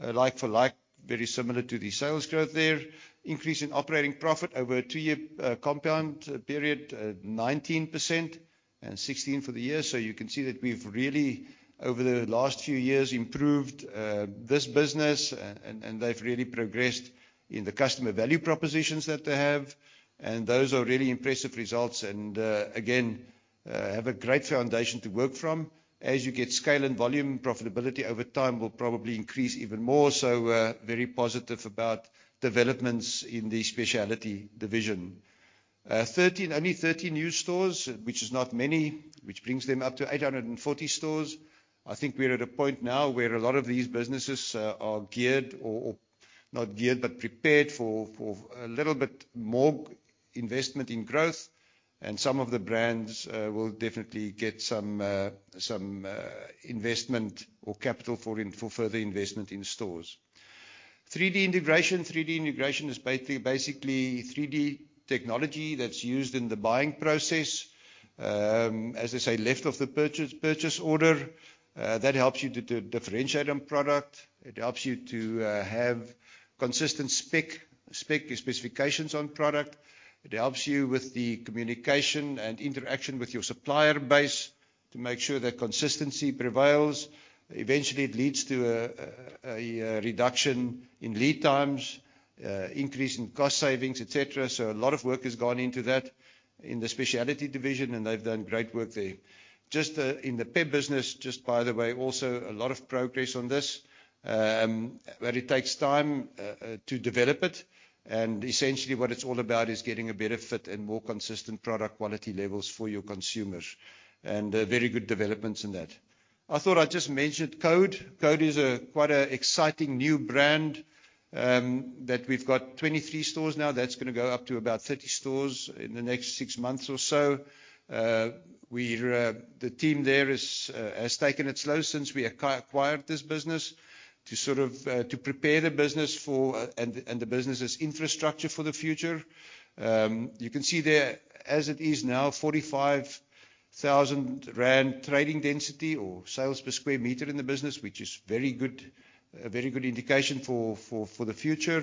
Like for like, very similar to the sales growth there. Increase in operating profit over a two-year, compound period, 19% and 16% for the year. You can see that we've really, over the last few years, improved this business and they've really progressed in the customer value propositions that they have. Those are really impressive results and again have a great foundation to work from. As you get scale and volume, profitability over time will probably increase even more. Very positive about developments in the Speciality division. Only 13 new stores, which is not many, which brings them up to 840 stores. I think we're at a point now where a lot of these businesses are geared or not geared, but prepared for a little bit more investment in growth, and some of the brands will definitely get some investment or capital for further investment in stores. 3D integration. 3D integration is basically 3D technology that's used in the buying process. As I say, left of the purchase order, that helps you to differentiate on product. It helps you to have consistent specifications on product. It helps you with the communication and interaction with your supplier base to make sure that consistency prevails. Eventually, it leads to a reduction in lead times, increase in cost savings, et cetera. A lot of work has gone into that in the Speciality division, and they've done great work there. Just in the PEP business, just by the way, also a lot of progress on this. It takes time to develop it, and essentially, what it's all about is getting a better fit and more consistent product quality levels for your consumers. Very good developments in that. I thought I'd just mention CODE. CODE is a quite exciting new brand that we've got 23 stores now. That's gonna go up to about 30 stores in the next six months or so. The team there has taken it slow since we acquired this business to sort of prepare the business for and the business' infrastructure for the future. You can see there, as it is now, 45,000 rand trading density or sales per square meter in the business, which is very good. A very good indication for the future.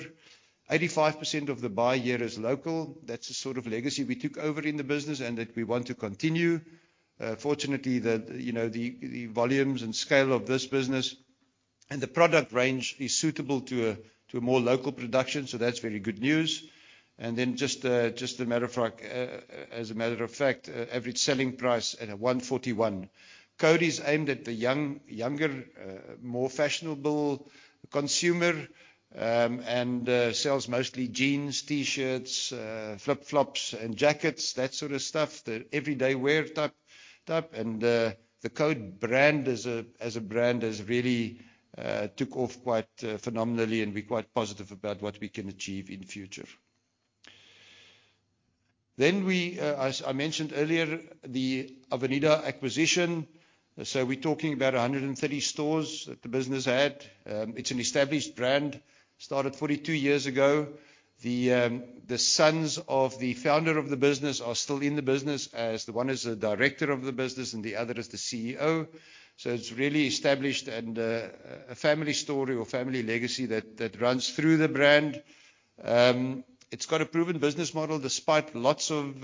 85% of the buy here is local. That's the sort of legacy we took over in the business and that we want to continue. Fortunately, the volumes and scale of this business and the product range is suitable to a more local production, so that's very good news. Just a matter of fact, average selling price at 141. CODE is aimed at the younger, more fashionable consumer, and sells mostly jeans, T-shirts, flip-flops and jackets, that sort of stuff. The everyday wear type. The CODE brand as a brand has really took off quite phenomenally, and we're quite positive about what we can achieve in future. As I mentioned earlier, the Avenida acquisition. We're talking about 130 stores that the business had. It's an established brand. Started 42 years ago. The sons of the founder of the business are still in the business as the one is the director of the business and the other is the CEO. It's really established and a family story or family legacy that runs through the brand. It's got a proven business model despite lots of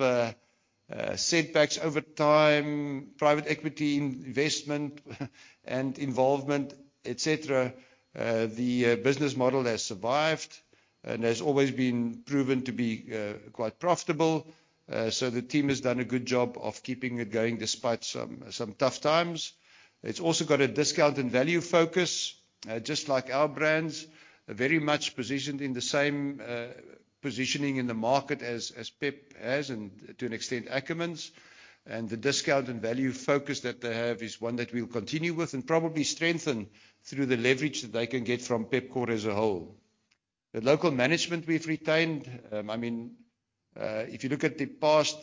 setbacks over time, private equity investment and involvement, et cetera. The business model has survived and has always been proven to be quite profitable. The team has done a good job of keeping it going despite some tough times. It's also got a discount and value focus just like our brands. Very much positioned in the same positioning in the market as PEP has and to an extent Ackermans. The discount and value focus that they have is one that we'll continue with and probably strengthen through the leverage that they can get from Pepkor as a whole. The local management we've retained, I mean, if you look at the past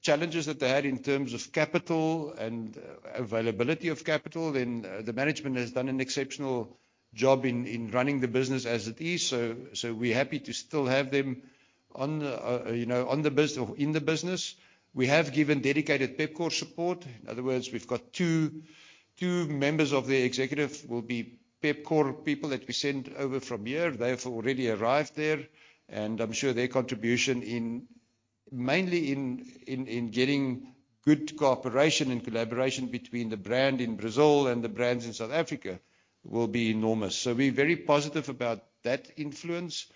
challenges that they had in terms of capital and availability of capital, then the management has done an exceptional job in running the business as it is. We're happy to still have them on, you know, in the business. We have given dedicated Pepkor support. In other words, we've got two members of the executive will be Pepkor people that we send over from here. They've already arrived there, and I'm sure their contribution mainly in getting good cooperation and collaboration between the brand in Brazil and the brands in South Africa will be enormous. We're very positive about that influence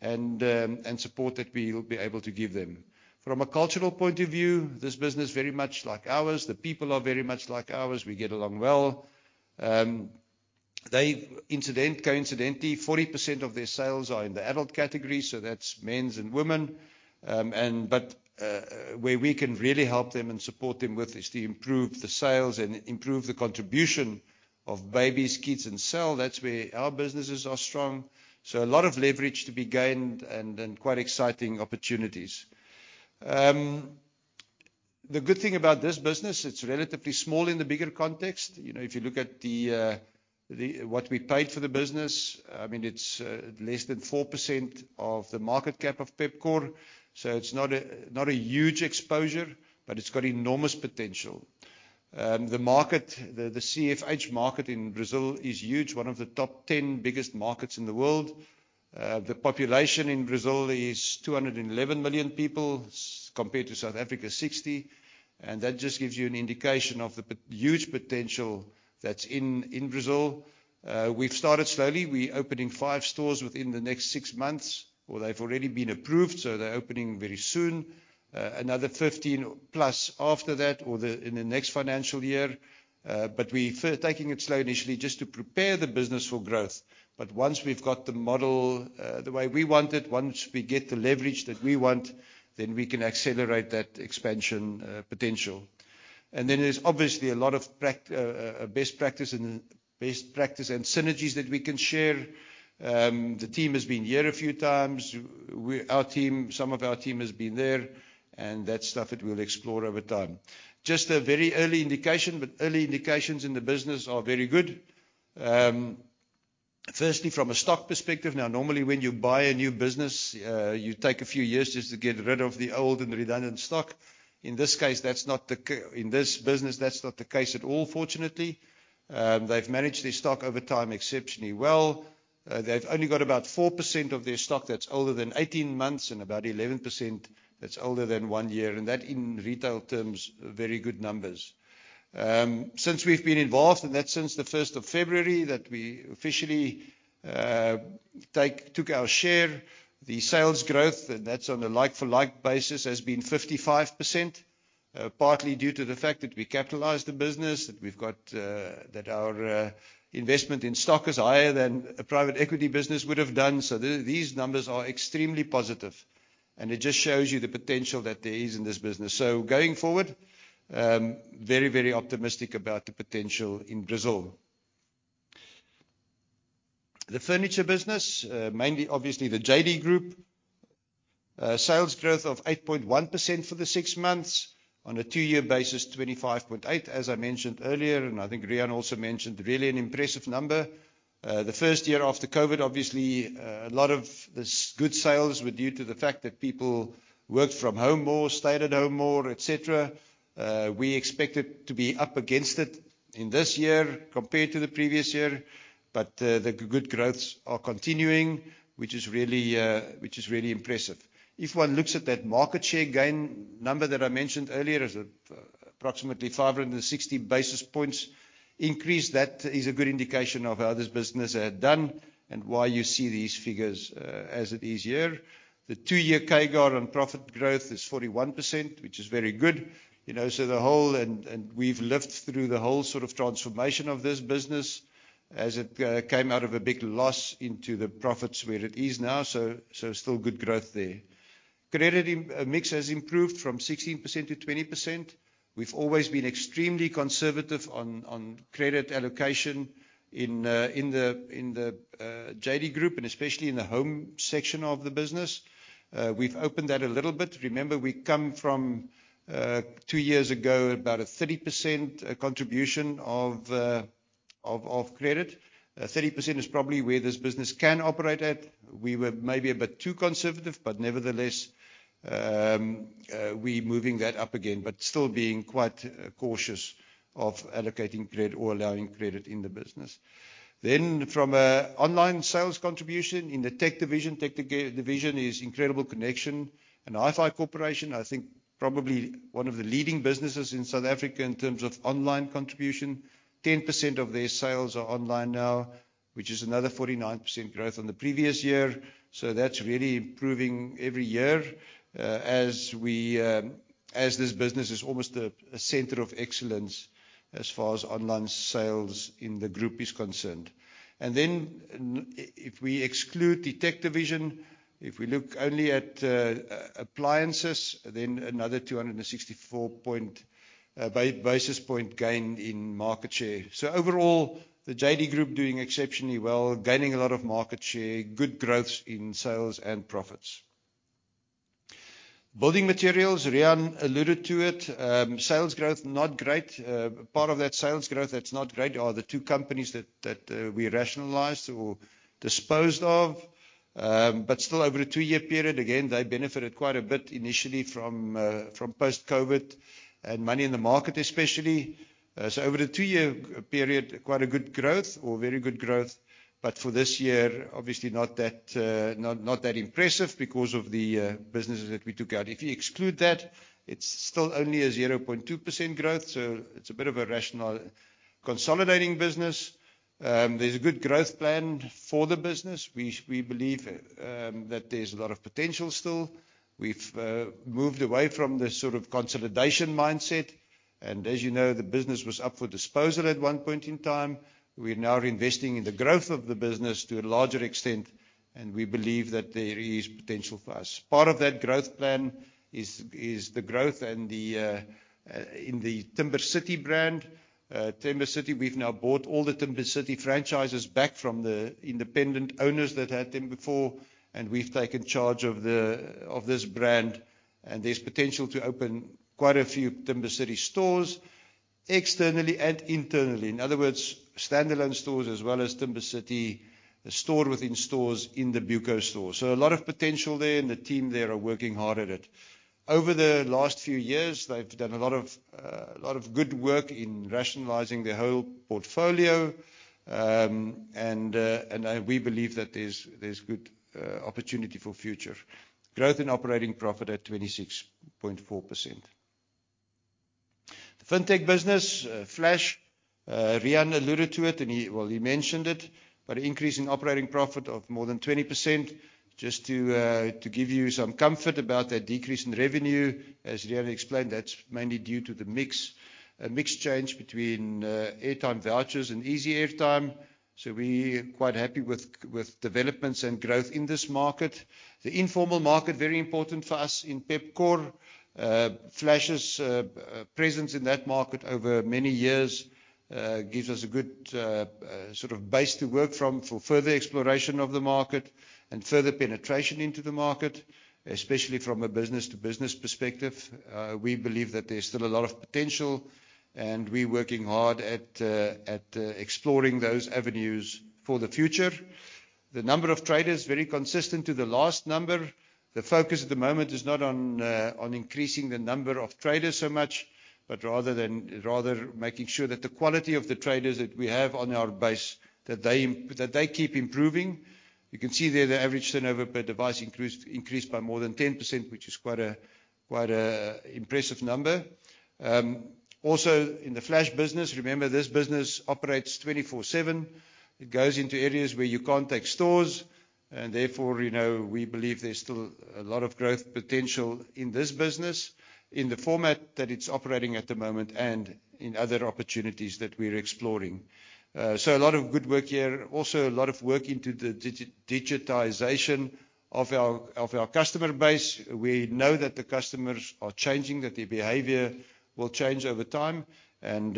and support that we will be able to give them. From a cultural point of view, this business very much like ours. The people are very much like ours. We get along well. They coincidentally, 40% of their sales are in the adult category, so that's men's and women. Where we can really help them and support them with is to improve the sales and improve the contribution of babies, kids, and home. That's where our businesses are strong. A lot of leverage to be gained and quite exciting opportunities. The good thing about this business, it's relatively small in the bigger context. You know, if you look at what we paid for the business, I mean it's less than 4% of the market cap of Pepkor. It's not a huge exposure, but it's got enormous potential. The CFH market in Brazil is huge, one of the top 10 biggest markets in the world. The population in Brazil is 211 million people. Compared to South Africa, 60. That just gives you an indication of the huge potential that's in Brazil. We've started slowly. We're opening five stores within the next six months. Well, they've already been approved, so they're opening very soon. Another 15+ after that in the next financial year. But we're taking it slow initially just to prepare the business for growth. Once we've got the model, the way we want it, once we get the leverage that we want, then we can accelerate that expansion, potential. Then there's obviously a lot of best practice and synergies that we can share. The team has been here a few times. Our team, some of our team has been there, and that's stuff that we'll explore over time. Just a very early indication, but early indications in the business are very good. Firstly, from a stock perspective. Now, normally, when you buy a new business, you take a few years just to get rid of the old and redundant stock. In this business, that's not the case at all, fortunately. They've managed their stock over time exceptionally well. They've only got about 4% of their stock that's older than 18 months and about 11% that's older than one year. That, in retail terms, very good numbers. Since we've been involved, that's since the 1st of February that we officially took our share, the sales growth, that's on a like-for-like basis, has been 55%. Partly due to the fact that we capitalized the business, that we've got, that our investment in stock is higher than a private equity business would have done. These numbers are extremely positive, and it just shows you the potential that there is in this business. Going forward, very, very optimistic about the potential in Brazil. The furniture business, mainly obviously the JD Group. Sales growth of 8.1% for the six months. On a two-year basis, 25.8%. As I mentioned earlier, and I think Riaan also mentioned, really an impressive number. The first year after COVID, obviously, a lot of this good sales were due to the fact that people worked from home more, stayed at home more, et cetera. We expected to be up against it in this year compared to the previous year, but the good growths are continuing, which is really impressive. If one looks at that market share gain number that I mentioned earlier, it's approximately 560 basis points increase. That is a good indication of how this business had done and why you see these figures as it is here. The two-year CAGR on profit growth is 41%, which is very good. You know, we've lived through the whole sort of transformation of this business as it came out of a big loss into the profits where it is now. Still good growth there. Credit mix has improved from 16%-20%. We've always been extremely conservative on credit allocation in the JD Group and especially in the home section of the business. We've opened that a little bit. Remember we come from two years ago, about a 30% contribution of credit. 30% is probably where this business can operate at. We were maybe a bit too conservative, but nevertheless, we're moving that up again. Still being quite cautious of allocating credit or allowing credit in the business. From an online sales contribution in the tech division, tech division is Incredible Connection and Hi-Fi Corporation. I think probably one of the leading businesses in South Africa in terms of online contribution. 10% of their sales are online now, which is another 49% growth on the previous year. That's really improving every year, as this business is almost a center of excellence as far as online sales in the group is concerned. If we exclude the tech division, if we look only at appliances, then another 264 basis point gain in market share. Overall, the JD Group doing exceptionally well, gaining a lot of market share, good growth in sales and profits. Building materials, Riaan alluded to it. Sales growth not great. Part of that sales growth that's not great are the two companies that we rationalized or disposed of. Still over a two-year period, again, they benefited quite a bit initially from post-COVID and money in the market, especially. Over the two-year period, quite a good growth or very good growth. For this year, obviously not that impressive because of the businesses that we took out. If you exclude that, it's still only a 0.2% growth, so it's a bit of a rational consolidating business. There's a good growth plan for the business. We believe that there's a lot of potential still. We've moved away from the sort of consolidation mindset, and as you know, the business was up for disposal at one point in time. We're now investing in the growth of the business to a larger extent, and we believe that there is potential for us. Part of that growth plan is the growth in the Timber City brand. Timber City, we've now bought all the Timber City franchises back from the independent owners that had them before, and we've taken charge of this brand. There's potential to open quite a few Timber City stores externally and internally. In other words, standalone stores as well as Timber City store within stores in the BUCO stores. A lot of potential there, and the team there are working hard at it. Over the last few years, they've done a lot of good work in rationalizing their whole portfolio, and we believe that there's good opportunity for future. Growth in operating profit at 26.4%. The FinTech business, Flash, Riaan alluded to it, and he. Well, he mentioned it, but increase in operating profit of more than 20%. Just to give you some comfort about that decrease in revenue, as Riaan explained, that's mainly due to the mix change between airtime vouchers and easy airtime. We quite happy with developments and growth in this market. The informal market, very important for us in Pepkor. Flash's presence in that market over many years gives us a good sort of base to work from for further exploration of the market and further penetration into the market, especially from a business-to-business perspective. We believe that there's still a lot of potential, and we working hard at exploring those avenues for the future. The number of traders very consistent to the last number. The focus at the moment is not on increasing the number of traders so much, but rather making sure that the quality of the traders that we have on our base, that they keep improving. You can see there, the average turnover per device increased by more than 10%, which is quite a impressive number. Also in the Flash business, remember, this business operates 24/7. It goes into areas where you can't take stores and therefore, you know, we believe there's still a lot of growth potential in this business in the format that it's operating at the moment and in other opportunities that we're exploring. A lot of good work here. Also, a lot of work into the digitization of our customer base. We know that the customers are changing, that their behavior will change over time. In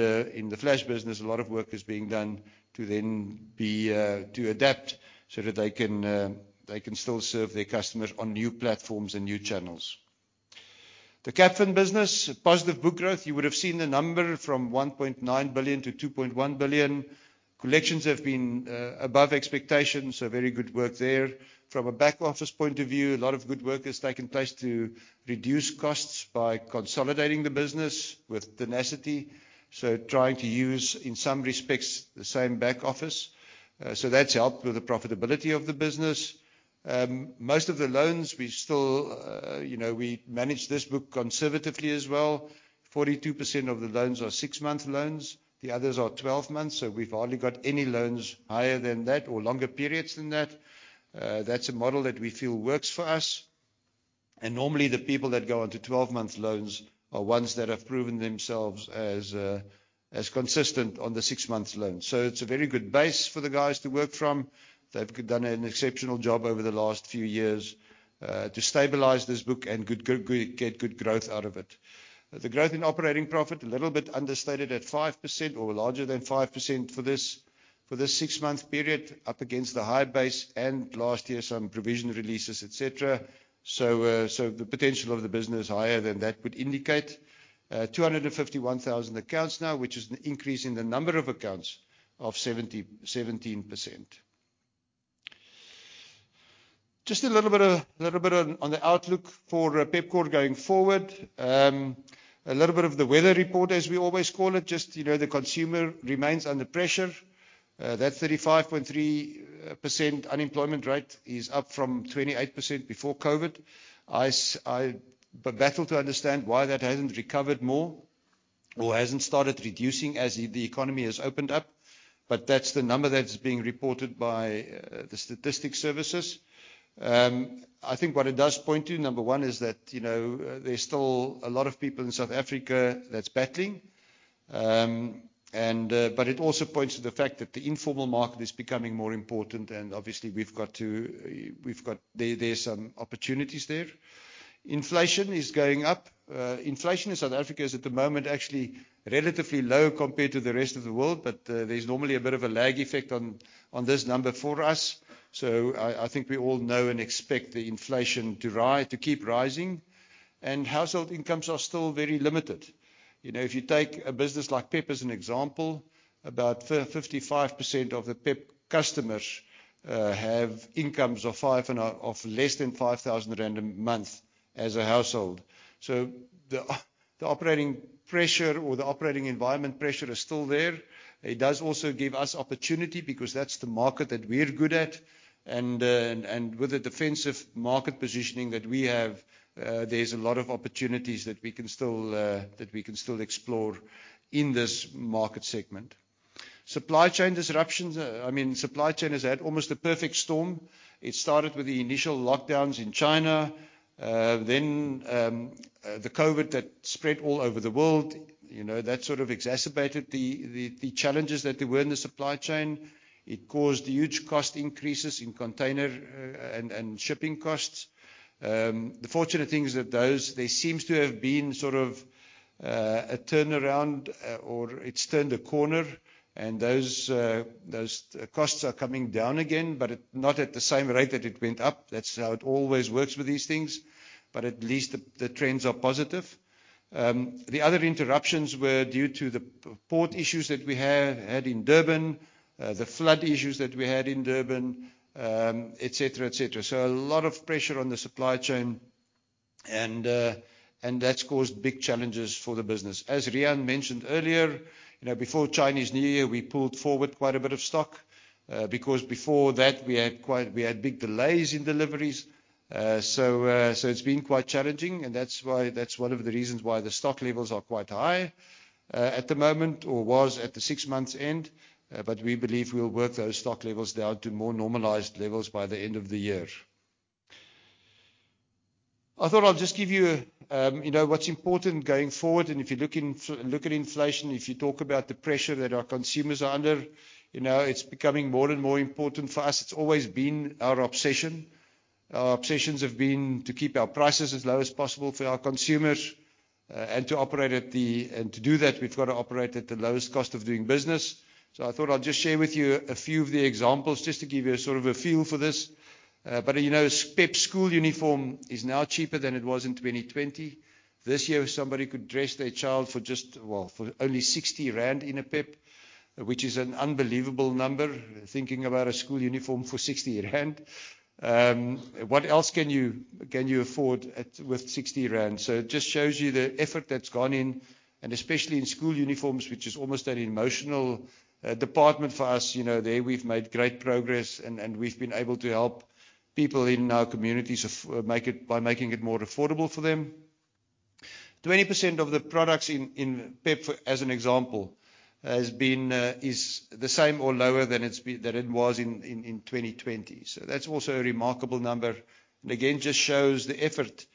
the Flash business, a lot of work is being done to adapt so that they can still serve their customers on new platforms and new channels. The Capfin business, positive book growth. You would have seen the number from 1.9 billion-2.1 billion. Collections have been above expectations, so very good work there. From a back office point of view, a lot of good work has taken place to reduce costs by consolidating the business with Tenacity. Trying to use, in some respects, the same back office. That's helped with the profitability of the business. Most of the loans, we still, you know, we manage this book conservatively as well. 42% of the loans are six-month loans, the others are 12 months. We've hardly got any loans higher than that or longer periods than that. That's a model that we feel works for us. Normally, the people that go on to 12-month loans are ones that have proven themselves as consistent on the six-month loan. It's a very good base for the guys to work from. They've done an exceptional job over the last few years to stabilize this book and get good growth out of it. The growth in operating profit, a little bit understated at 5% or larger than 5% for this six-month period, up against the high base and last year, some provision releases, et cetera. The potential of the business higher than that would indicate. 251,000 accounts now, which is an increase in the number of accounts of 17%. Just a little bit on the outlook for Pepkor going forward. A little bit of the weather report, as we always call it. You know, the consumer remains under pressure. That 35.3% unemployment rate is up from 28% before COVID. I battle to understand why that hasn't recovered more or hasn't started reducing as the economy has opened up. That's the number that's being reported by the Statistics South Africa. I think what it does point to, number one, is that, you know, there's still a lot of people in South Africa that's battling. It also points to the fact that the informal market is becoming more important and obviously we've got to. There are some opportunities there. Inflation is going up. Inflation in South Africa is at the moment actually relatively low compared to the rest of the world, but there's normally a bit of a lag effect on this number for us. I think we all know and expect the inflation to rise to keep rising. Household incomes are still very limited. You know, if you take a business like PEP as an example, about 55% of the PEP customers have incomes of less than 5,000 rand a month as a household. The operating pressure or the operating environment pressure is still there. It does also give us opportunity because that's the market that we're good at. With the defensive market positioning that we have, there's a lot of opportunities that we can still explore in this market segment. Supply chain disruptions, I mean, supply chain has had almost a perfect storm. It started with the initial lockdowns in China, then the COVID that spread all over the world. You know, that sort of exacerbated the challenges that there were in the supply chain. It caused huge cost increases in container and shipping costs. The fortunate thing is that there seems to have been sort of a turnaround or it's turned a corner and those costs are coming down again, but it not at the same rate that it went up. That's how it always works with these things, but at least the trends are positive. The other interruptions were due to the port issues that we had in Durban, the flood issues that we had in Durban, et cetera. A lot of pressure on the supply chain, and that's caused big challenges for the business. As Riaan mentioned earlier, you know, before Chinese New Year, we pulled forward quite a bit of stock, because before that we had big delays in deliveries. So it's been quite challenging, and that's one of the reasons why the stock levels are quite high at the moment or was at the six months end. But we believe we'll work those stock levels down to more normalized levels by the end of the year. I thought I'll just give you know, what's important going forward, and if you look at inflation, if you talk about the pressure that our consumers are under, you know, it's becoming more and more important for us. It's always been our obsession. Our obsessions have been to keep our prices as low as possible for our consumers, and to do that, we've got to operate at the lowest cost of doing business. I thought I'll just share with you a few of the examples just to give you a sort of a feel for this. You know, PEP school uniform is now cheaper than it was in 2020. This year somebody could dress their child for just, well, for only 60 rand in a PEP, which is an unbelievable number, thinking about a school uniform for 60 rand. What else can you afford with 60 rand? It just shows you the effort that's gone in, and especially in school uniforms, which is almost an emotional department for us. You know, there we've made great progress, and we've been able to help people in our communities by making it more affordable for them. 20% of the products in PEP, as an example, is the same or lower than it was in 2020. That's also a remarkable number, and again, just shows the effort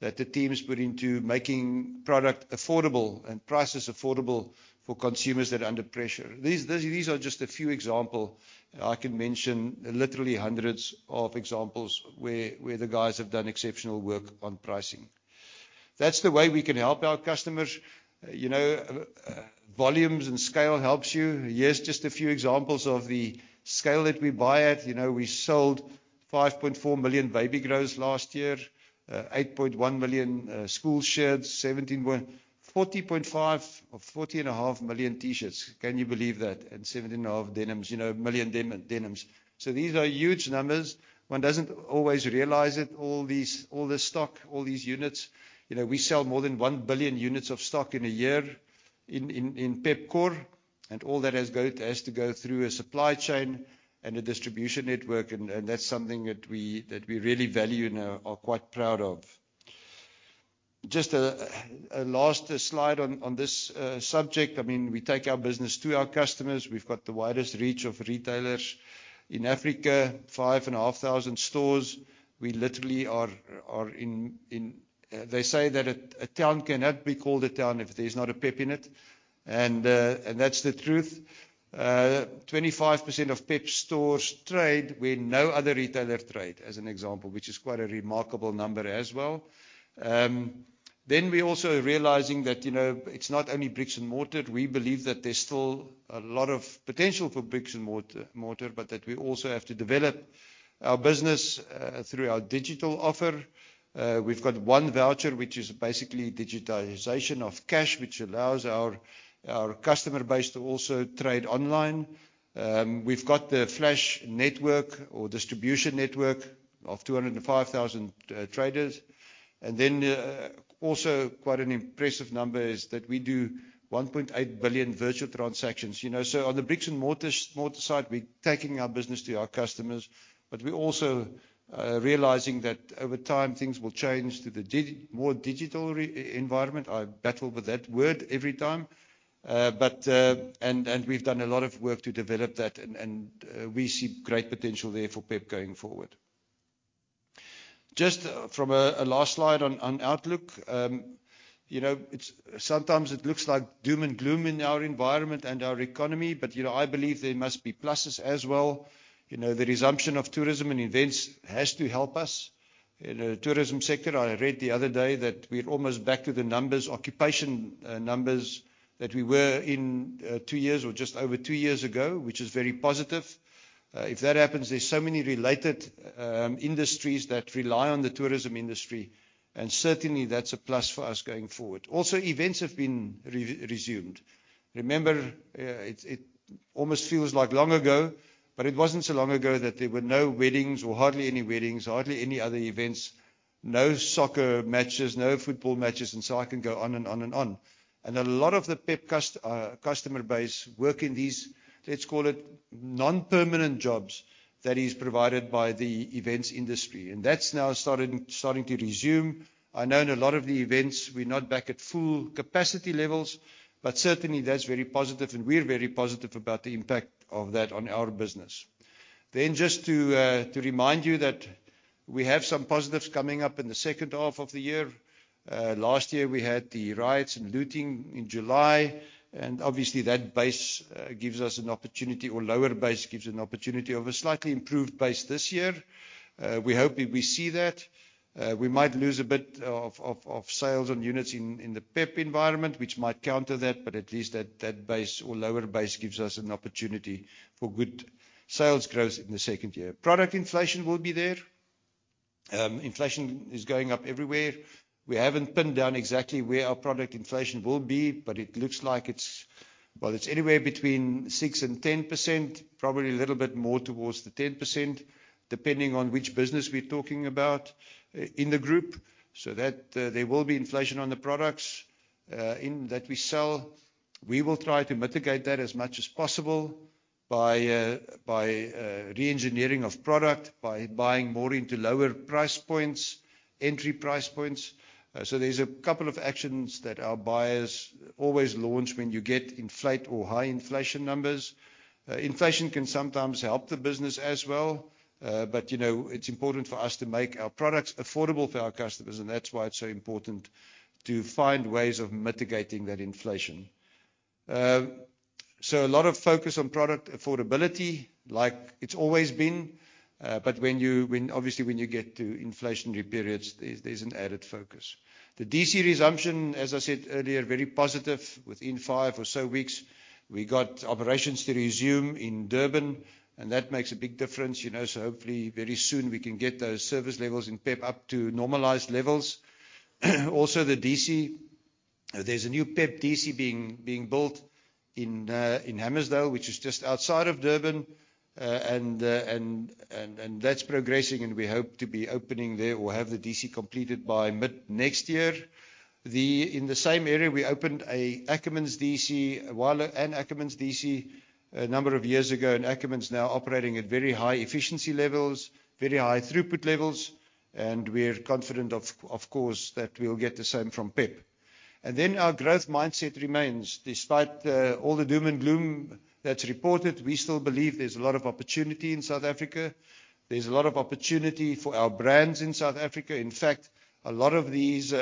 that the team's put into making product affordable and prices affordable for consumers that are under pressure. These are just a few examples. I can mention literally hundreds of examples where the guys have done exceptional work on pricing. That's the way we can help our customers. You know, volumes and scale helps you. Here's just a few examples of the scale that we buy at. You know, we sold 5.4 million baby grows last year, 8.1 million school shirts, 40.5 or 40.5 million T-shirts. Can you believe that? 17.5 Denims, you know, 1 million denims. These are huge numbers. One doesn't always realize it. All this stock, all these units. You know, we sell more than 1 billion units of stock in a year in Pepkor, and all that has to go through a supply chain and a distribution network, and that's something that we really value and are quite proud of. Just a last slide on this subject. I mean, we take our business to our customers. We've got the widest reach of retailers. In Africa, 5,500 stores. They say that a town cannot be called a town if there's not a PEP in it, and that's the truth. 25% of PEP stores trade where no other retailer trades, as an example, which is quite a remarkable number as well. We're also realizing that, you know, it's not only bricks and mortar. We believe that there's still a lot of potential for bricks and mortar, but that we also have to develop our business through our digital offer. We've got 1Voucher, which is basically digitalization of cash, which allows our customer base to also trade online. We've got the Flash network, our distribution network of 205,000 traders. Also quite an impressive number is that we do 1.8 billion virtual transactions, you know. On the bricks and mortar side, we're taking our business to our customers, but we're also realizing that over time things will change to the digital environment. I battle with that word every time and we've done a lot of work to develop that and we see great potential there for PEP going forward. Sometimes it looks like doom and gloom in our environment and our economy, but I believe there must be pluses as well. The resumption of tourism and events has to help us. You know, tourism sector, I read the other day that we're almost back to the numbers, occupation, numbers that we were in, two years or just over two years ago, which is very positive. If that happens, there's so many related, industries that rely on the tourism industry, and certainly that's a plus for us going forward. Also, events have been resumed. Remember, it almost feels like long ago, but it wasn't so long ago that there were no weddings or hardly any weddings, hardly any other events, no soccer matches, no football matches, and so I can go on and on and on. A lot of the PEP customer base work in these, let's call it, non-permanent jobs that is provided by the events industry, and that's now starting to resume. I know in a lot of the events we're not back at full capacity levels, but certainly that's very positive, and we're very positive about the impact of that on our business. Just to remind you that we have some positives coming up in the second half of the year. Last year we had the riots and looting in July, and obviously that lower base gives us an opportunity for a slightly improved base this year. We hope we will see that. We might lose a bit of sales on units in the PEP environment, which might counter that, but at least that lower base gives us an opportunity for good sales growth in the second year. Product inflation will be there. Inflation is going up everywhere. We haven't pinned down exactly where our product inflation will be, but it looks like it's. Well, it's anywhere between 6% and 10%, probably a little bit more towards the 10%, depending on which business we're talking about in the group, so that there will be inflation on the products in that we sell. We will try to mitigate that as much as possible by re-engineering of product, by buying more into lower price points, entry price points. So there's a couple of actions that our buyers always launch when you get inflation or high inflation numbers. Inflation can sometimes help the business as well, but you know, it's important for us to make our products affordable for our customers, and that's why it's so important to find ways of mitigating that inflation. A lot of focus on product affordability like it's always been, but when you obviously get to inflationary periods, there's an added focus. The DC resumption, as I said earlier, very positive. Within five or so weeks, we got operations to resume in Durban and that makes a big difference, you know, so hopefully very soon we can get those service levels in PEP up to normalized levels. Also, the DC, there's a new PEP DC being built in Hammersdale, which is just outside of Durban, and that's progressing, and we hope to be opening there or have the DC completed by mid next year. In the same area, we opened a Ackermans DC a while. An Ackermans DC a number of years ago, and Ackermans now operating at very high efficiency levels, very high throughput levels, and we're confident of course that we'll get the same from PEP. Our growth mindset remains. Despite all the doom and gloom that's reported, we still believe there's a lot of opportunity in South Africa. There's a lot of opportunity for our brands in South Africa. In fact, a lot of these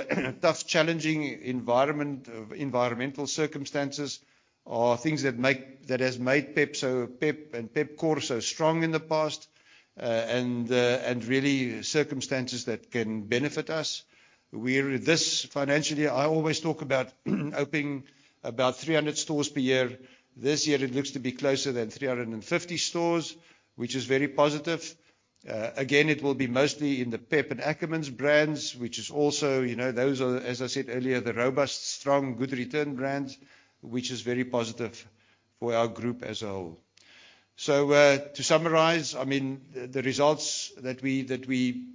tough, challenging environmental circumstances are things that has made PEP and Pepkor so strong in the past, and really circumstances that can benefit us. This financial year, I always talk about opening about 300 stores per year. This year it looks to be closer to 350 stores, which is very positive. Again, it will be mostly in the PEP and Ackermans brands, which is also, you know, those are, as I said earlier, the robust, strong, good return brands, which is very positive for our group as a whole. To summarize, I mean, the results that we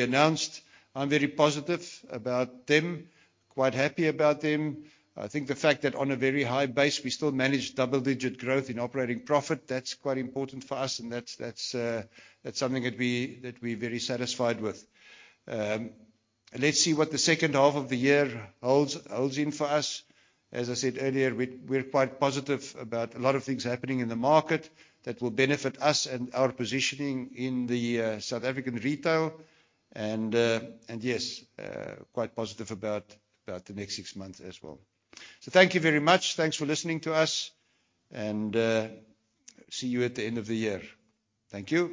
announced. I'm very positive about them, quite happy about them. I think the fact that on a very high base we still manage double-digit growth in operating profit, that's quite important for us and that's something that we're very satisfied with. Let's see what the second half of the year holds in store for us. As I said earlier, we're quite positive about a lot of things happening in the market that will benefit us and our positioning in the South African retail and yes, quite positive about the next six months as well. Thank you very much. Thanks for listening to us, and see you at the end of the year. Thank you.